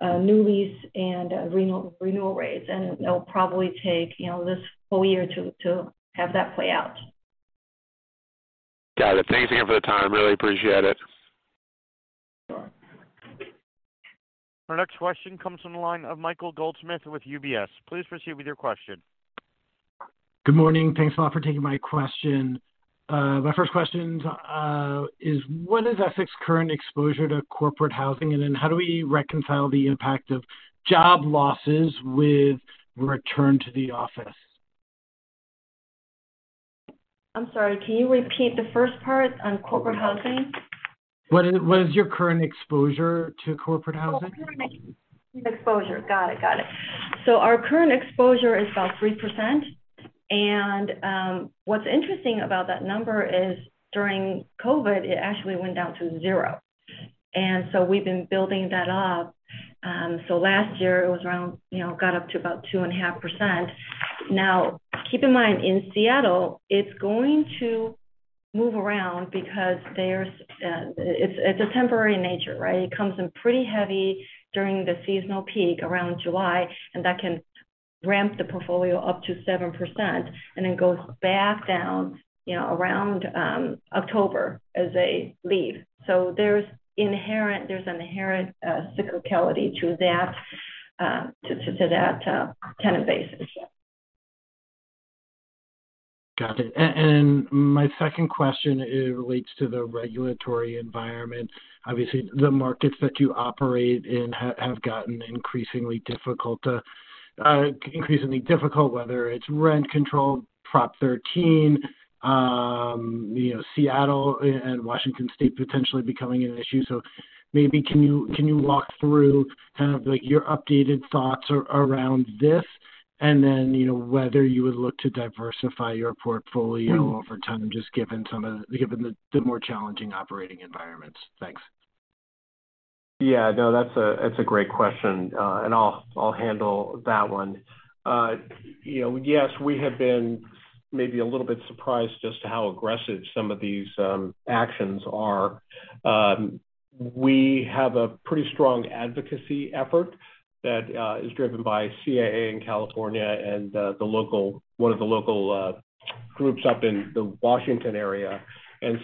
new lease and renewal rates. It'll probably take, you know, this full year to have that play out. Got it. Thanks again for the time. Really appreciate it. Our next question comes from the line of Michael Goldsmith with UBS. Please proceed with your question. Good morning. Thanks a lot for taking my question. My first question is, what is Essex current exposure to corporate housing? How do we reconcile the impact of job losses with return to the office? I'm sorry, can you repeat the first part on corporate housing? What is your current exposure to corporate housing? Current e-exposure. Got it. Got it. Our current exposure is about 3%. What's interesting about that number is during COVID, it actually went down to 0. We've been building that up. Last year it was around, you know, got up to about 2.5%. Keep in mind, in Seattle, it's going to move around because there's, it's a temporary nature, right? It comes in pretty heavy during the seasonal peak around July, and that can ramp the portfolio up to 7% and then goes back down, you know, around October as they leave. There's inherent cyclicality to that tenant basis. Got it. And my second question, it relates to the regulatory environment. Obviously, the markets that you operate in have gotten increasingly difficult, whether it's rent control, Prop 13, you know, Seattle and Washington State potentially becoming an issue. Maybe can you, can you walk through kind of like your updated thoughts around this? Then, you know, whether you would look to diversify your portfolio over time, just given the more challenging operating environments. Thanks. great question, and I'll handle that one. You know, yes, we have been maybe a little bit surprised as to how aggressive some of these actions are. We have a pretty strong advocacy effort that is driven by CAA in California and one of the local groups up in the Washington area.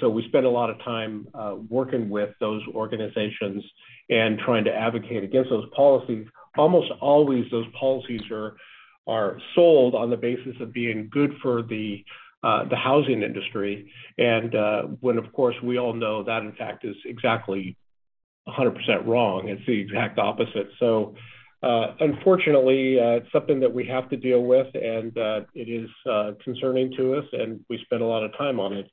So we spend a lot of time working with those organizations and trying to advocate against those policies. Almost always, those policies are sold on the basis of being good for the housing industry, and when of course, we all know that in fact is exactly 100% wrong. It's the exact opposite. Unfortunately, it's something that we have to deal with, and it is concerning to us, and we spend a lot of time on it.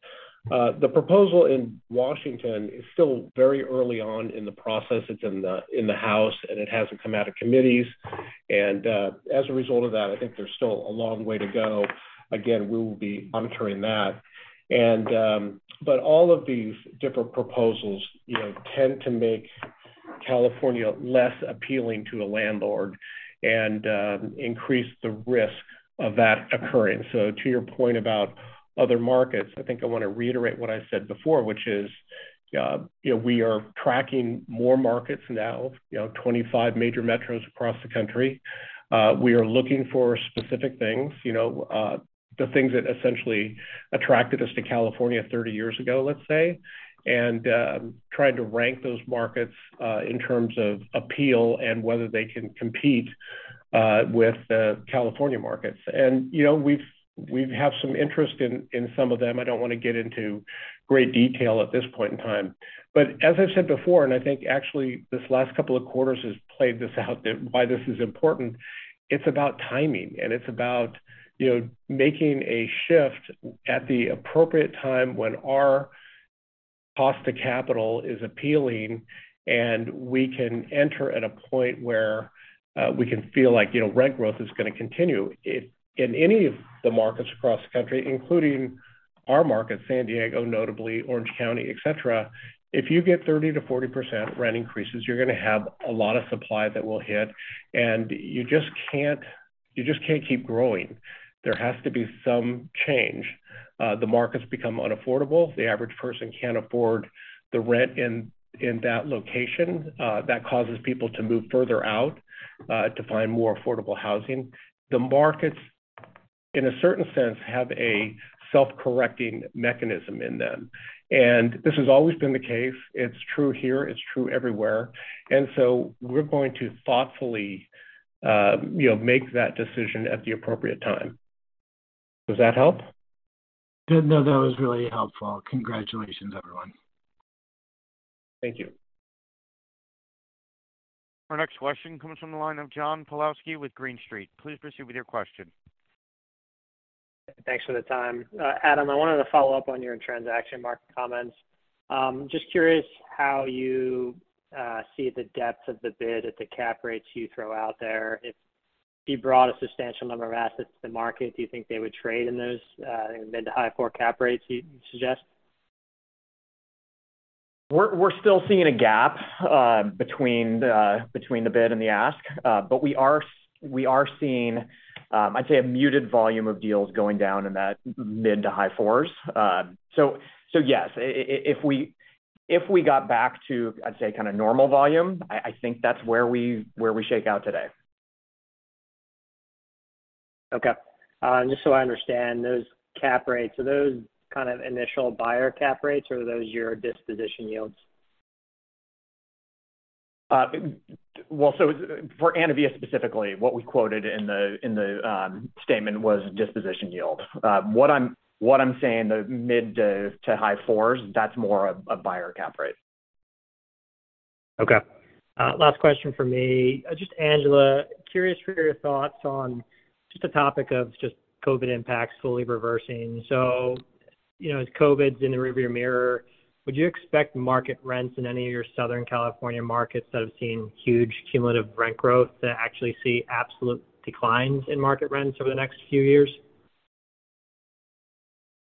The proposal in Washington is still very early on in the process. It's in the House, and it hasn't come out of committees. As a result of that, I think there's still a long way to go. Again, we will be monitoring that. But all of these different proposals, you know, tend to make California less appealing to a landlord and increase the risk of that occurrence. To your point about other markets, I think I wanna reiterate what I said before, which is, you know, we are tracking more markets now, you know, 25 major metros across the country. We are looking for specific things. You know, the things that essentially attracted us to California 30 years ago, let's say, trying to rank those markets in terms of appeal and whether they can compete with the California markets. You know, we've have some interest in some of them. I don't wanna get into great detail at this point in time. As I've said before, and I think actually this last couple of quarters has played this out, that why this is important, it's about timing, and it's about, you know, making a shift at the appropriate time when our cost to capital is appealing, and we can enter at a point where we can feel like, you know, rent growth is gonna continue. If in any of the markets across the country, including our market, San Diego, notably Orange County, et cetera, if you get 30%-40% rent increases, you're gonna have a lot of supply that will hit, and you just can't keep growing. The markets become unaffordable. The average person can't afford the rent in that location. That causes people to move further out to find more affordable housing. The markets, in a certain sense, have a self-correcting mechanism in them. This has always been the case. It's true here. It's true everywhere. We're going to thoughtfully, you know, make that decision at the appropriate time. Does that help? That was really helpful. Congratulations, everyone. Thank you. Our next question comes from the line of John Pawlowski with Green Street. Please proceed with your question. Thanks for the time. Adam, I wanted to follow up on your transaction market comments. Just curious how you see the depth of the bid at the cap rates you throw out there. If you brought a substantial number of assets to the market, do you think they would trade in those mid to high four cap rates you'd suggest? We're still seeing a gap between the bid and the ask. We are seeing I'd say a muted volume of deals going down in that mid to high fours. Yes. If we got back to, I'd say, kinda normal volume, I think that's where we shake out today. Okay. Just so I understand, those cap rates, are those kind of initial buyer cap rates, or are those your disposition yields? For Anavia specifically, what we quoted in the, in the statement was disposition yield. What I'm saying, the mid to high 4s, that's more of a buyer cap rate. Last question for me. Just Angela, curious for your thoughts on just the topic of just COVID impacts fully reversing. you know, as COVID's in the rear view mirror, would you expect market rents in any of your Southern California markets that have seen huge cumulative rent growth to actually see absolute declines in market rents over the next few years?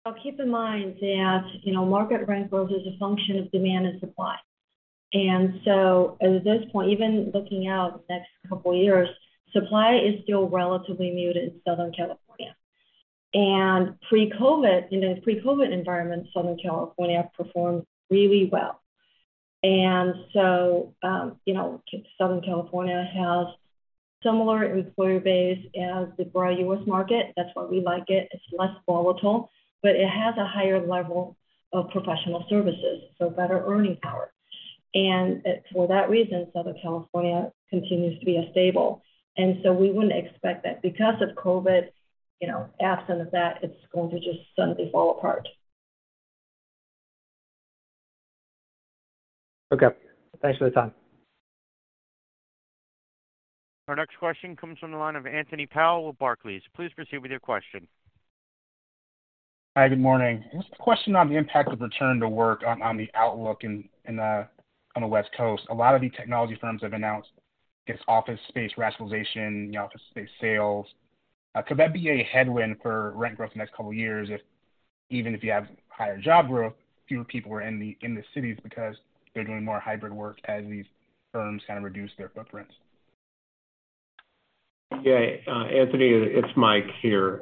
Well, keep in mind that, you know, market rent growth is a function of demand and supply. At this point, even looking out the next couple of years, supply is still relatively muted in Southern California. Pre-COVID, in a pre-COVID environment, Southern California performed really well. You know, Southern California has similar employer base as the broader U.S. market. That's why we like it. It's less volatile, but it has a higher level of professional services, so better earning power. For that reason, Southern California continues to be a stable. We wouldn't expect that because of COVID, you know, absent of that, it's going to just suddenly fall apart. Okay. Thanks for the time. Our next question comes from the line of Anthony Powell with Barclays. Please proceed with your question. Hi, good morning. Just a question on the impact of return to work on the outlook in on the West Coast. A lot of the technology firms have announced its office space rationalization, you know, office space sales. Could that be a headwind for rent growth the next couple of years if even if you have higher job growth, fewer people are in the cities because they're doing more hybrid work as these firms kinda reduce their footprints? Yeah. Anthony, it's Mike here.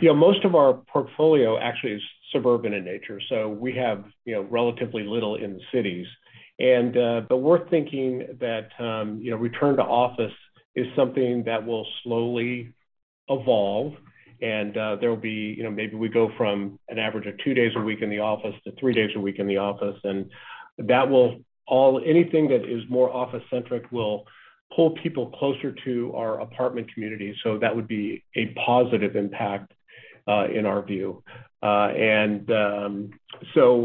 You know, most of our portfolio actually is suburban in nature, so we have, you know, relatively little in the cities. But we're thinking that, you know, return to office is something that will slowly evolve and there will be, you know, maybe we go from an average of two days a week in the office to three days a week in the office, and anything that is more office-centric will pull people closer to our apartment communities. That would be a positive impact in our view.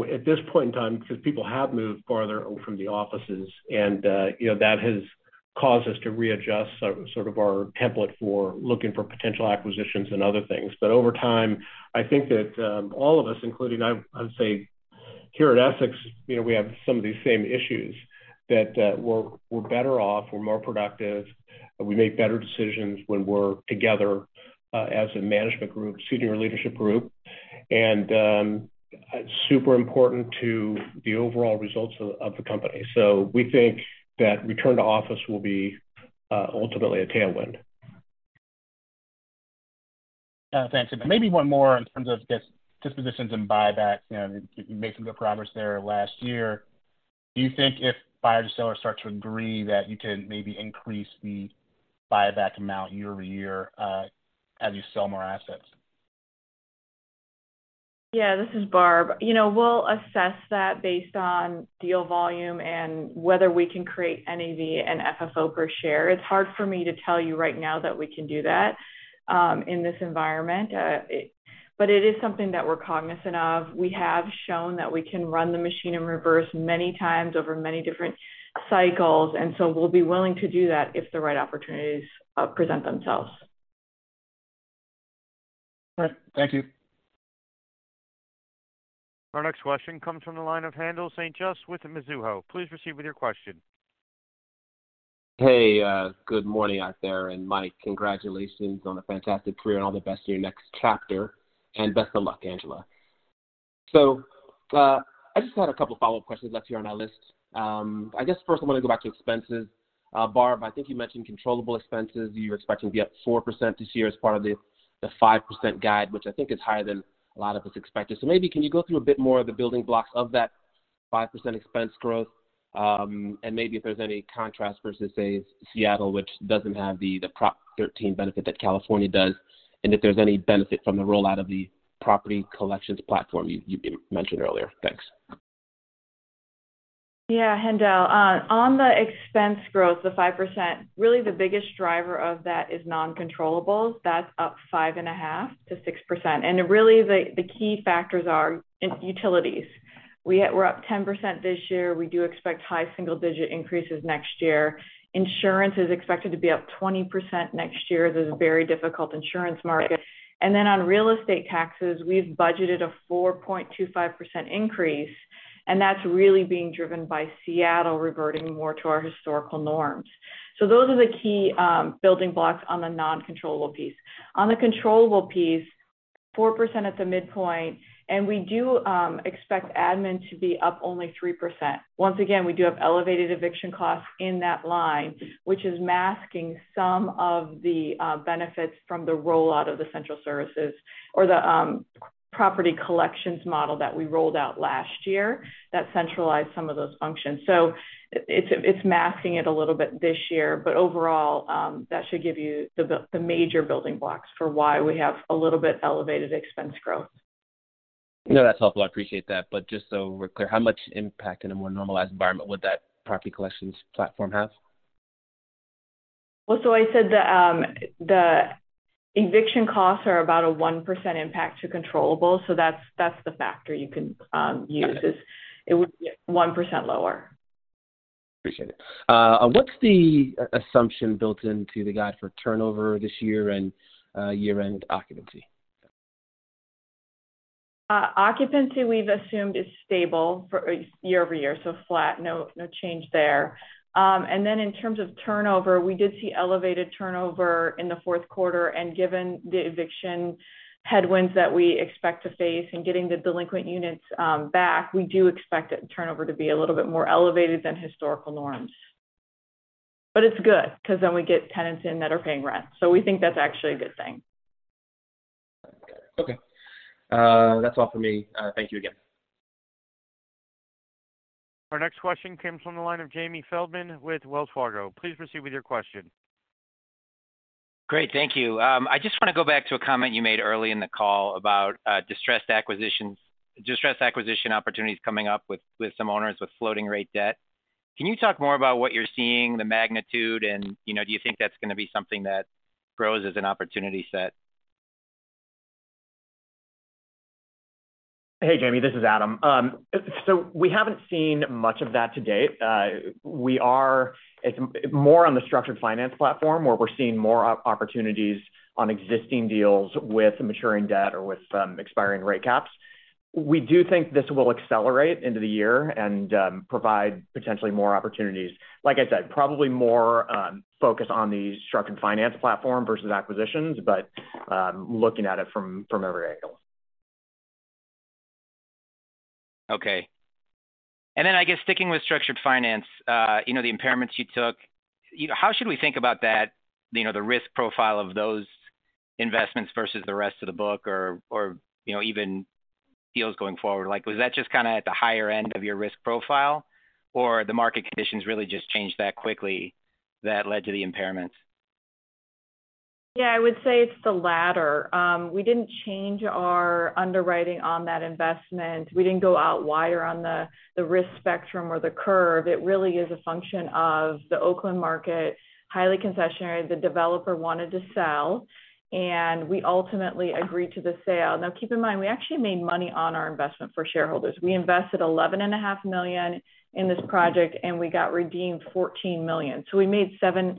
At this point in time, because people have moved farther from the offices and, you know, that has caused us to readjust sort of our template for looking for potential acquisitions and other things. Over time, I think that, all of us, including I'd say here at Essex, you know, we have some of these same issues that, we're better off, we're more productive, we make better decisions when we're together, as a management group, senior leadership group. Super important to the overall results of the company. We think that return to office will be ultimately a tailwind. Thanks. Maybe 1 more in terms of dispositions and buybacks. You know, you made some good progress there last year. Do you think if buyer to seller starts to agree that you can maybe increase the buyback amount year over year as you sell more assets? Yeah, this is Barb. You know, we'll assess that based on deal volume and whether we can create NAV and FFO per share. It's hard for me to tell you right now that we can do that in this environment. It is something that we're cognizant of. We have shown that we can run the machine in reverse many times over many different cycles. We'll be willing to do that if the right opportunities present themselves. All right. Thank you. Our next question comes from the line of Haendel St. Juste with Mizuho. Please proceed with your question. Hey, good morning out there. Mike, congratulations on a fantastic career and all the best to your next chapter, and best of luck, Angela. I just had a couple of follow-up questions left here on our list. I guess first I wanna go back to expenses. Barb, I think you mentioned controllable expenses. You're expecting to be up 4% this year as part of the 5% guide, which I think is higher than a lot of us expected. Maybe can you go through a bit more of the building blocks of that 5% expense growth? And maybe if there's any contrast versus, say, Seattle, which doesn't have the Prop 13 benefit that California does, and if there's any benefit from the rollout of the property collections model you mentioned earlier. Thanks. Yeah, Haendel. On the expense growth, the 5%, really the biggest driver of that is non-controllables. That's up 5.5%-6%. Really the key factors are in utilities. We're up 10% this year. We do expect high single digit increases next year. Insurance is expected to be up 20% next year. This is a very difficult insurance market. On real estate taxes, we've budgeted a 4.25% increase, and that's really being driven by Seattle reverting more to our historical norms. Those are the key building blocks on the non-controllable piece. On the controllable piece, 4% at the midpoint, and we do expect admin to be up only 3%. Once again, we do have elevated eviction costs in that line, which is masking some of the benefits from the rollout of the Central Services or the property collections model that we rolled out last year that centralized some of those functions. It's masking it a little bit this year. Overall, that should give you the major building blocks for why we have a little bit elevated expense growth. No, that's helpful. I appreciate that. Just so we're clear, how much impact in a more normalized environment would that property collections platform have? I said the eviction costs are about a 1% impact to controllable, so that's the factor you can use. It would be 1% lower. Appreciate it. What's the assumption built into the guide for turnover this year and year-end occupancy? Occupancy we've assumed is stable for year-over-year, flat, no change there. In terms of turnover, we did see elevated turnover in the fourth quarter. Given the eviction headwinds that we expect to face in getting the delinquent units back, we do expect turnover to be a little bit more elevated than historical norms. It's good 'cause then we get tenants in that are paying rent. We think that's actually a good thing. Okay. That's all for me. Thank you again. Our next question comes from the line of Jamie Feldman with Wells Fargo. Please proceed with your question. Great, thank you. I just wanna go back to a comment you made early in the call about distressed acquisition opportunities coming up with some owners with floating rate debt. Can you talk more about what you're seeing, the magnitude, and, you know, do you think that's gonna be something that grows as an opportunity set? Hey, Jamie, this is Adam. We haven't seen much of that to date. It's more on the structured finance platform where we're seeing more opportunities on existing deals with maturing debt or with some expiring rate caps. We do think this will accelerate into the year and provide potentially more opportunities. Like I said, probably more focus on the structured finance platform versus acquisitions, looking at it from every angle. Okay. I guess sticking with structured finance, you know, the impairments you took, you know, how should we think about that, you know, the risk profile of those investments versus the rest of the book or, you know, even deals going forward? Like, was that just kinda at the higher end of your risk profile, or the market conditions really just changed that quickly that led to the impairments? I would say it's the latter. We didn't change our underwriting on that investment. We didn't go out wider on the risk spectrum or the curve. It really is a function of the Oakland market, highly concessionary. The developer wanted to sell, and we ultimately agreed to the sale. Now, keep in mind, we actually made money on our investment for shareholders. We invested $11.5 million in this project, and we got redeemed $14 million. We made 7%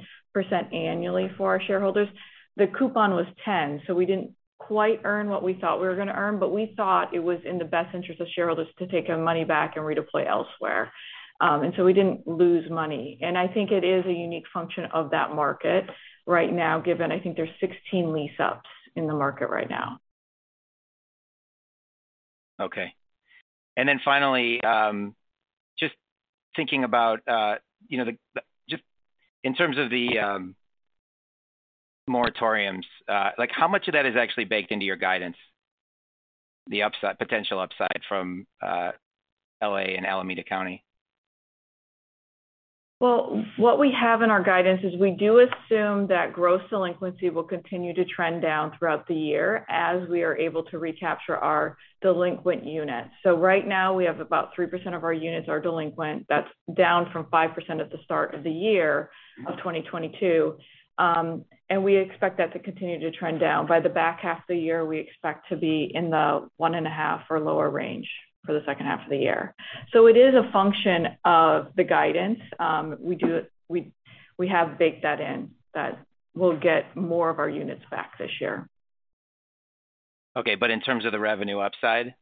annually for our shareholders. The coupon was 10, we didn't quite earn what we thought we were gonna earn, but we thought it was in the best interest of shareholders to take our money back and redeploy elsewhere. We didn't lose money. I think it is a unique function of that market right now, given I think there's 16 lease ups in the market right now. Okay. Finally, just thinking about, you know, just in terms of the moratoriums, like how much of that is actually baked into your guidance, the upside, potential upside from, L.A. and Alameda County? What we have in our guidance is we do assume that gross delinquency will continue to trend down throughout the year as we are able to recapture our delinquent units. Right now we have about 3% of our units are delinquent. That's down from 5% at the start of the year of 2022. And we expect that to continue to trend down. By the back half of the year, we expect to be in the 1.5% or lower range for the second half of the year. It is a function of the guidance. We have baked that in, that we'll get more of our units back this year. Okay. In terms of the revenue upside,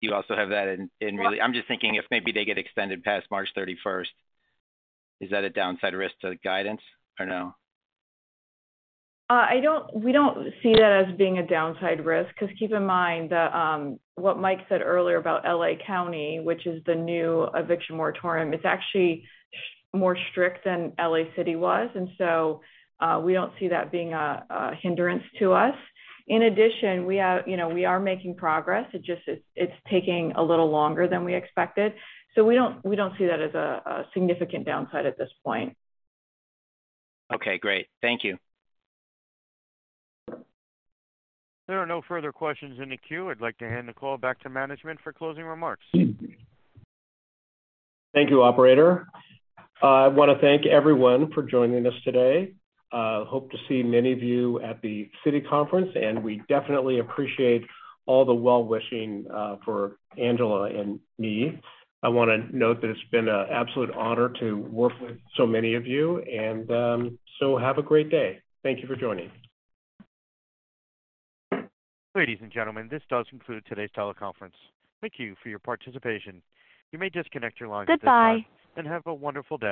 you also have that in. Well- I'm just thinking if maybe they get extended past March thirty-first, is that a downside risk to the guidance or no? We don't see that as being a downside risk. Keep in mind the what Mike said earlier about L.A. County, which is the new eviction moratorium. It's actually more strict than L.A. City was. We don't see that being a hindrance to us. In addition, we have, you know, we are making progress. It just, it's taking a little longer than we expected. We don't see that as a significant downside at this point. Okay, great. Thank you. There are no further questions in the queue. I'd like to hand the call back to management for closing remarks. Thank you, operator. I wanna thank everyone for joining us today. hope to see many of you at the Citi conference, and we definitely appreciate all the well-wishing, for Angela and me. I wanna note that it's been a absolute honor to work with so many of you. Have a great day. Thank you for joining. Ladies and gentlemen, this does conclude today's teleconference. Thank you for your participation. You may disconnect your lines at this time. Goodbye. Have a wonderful day.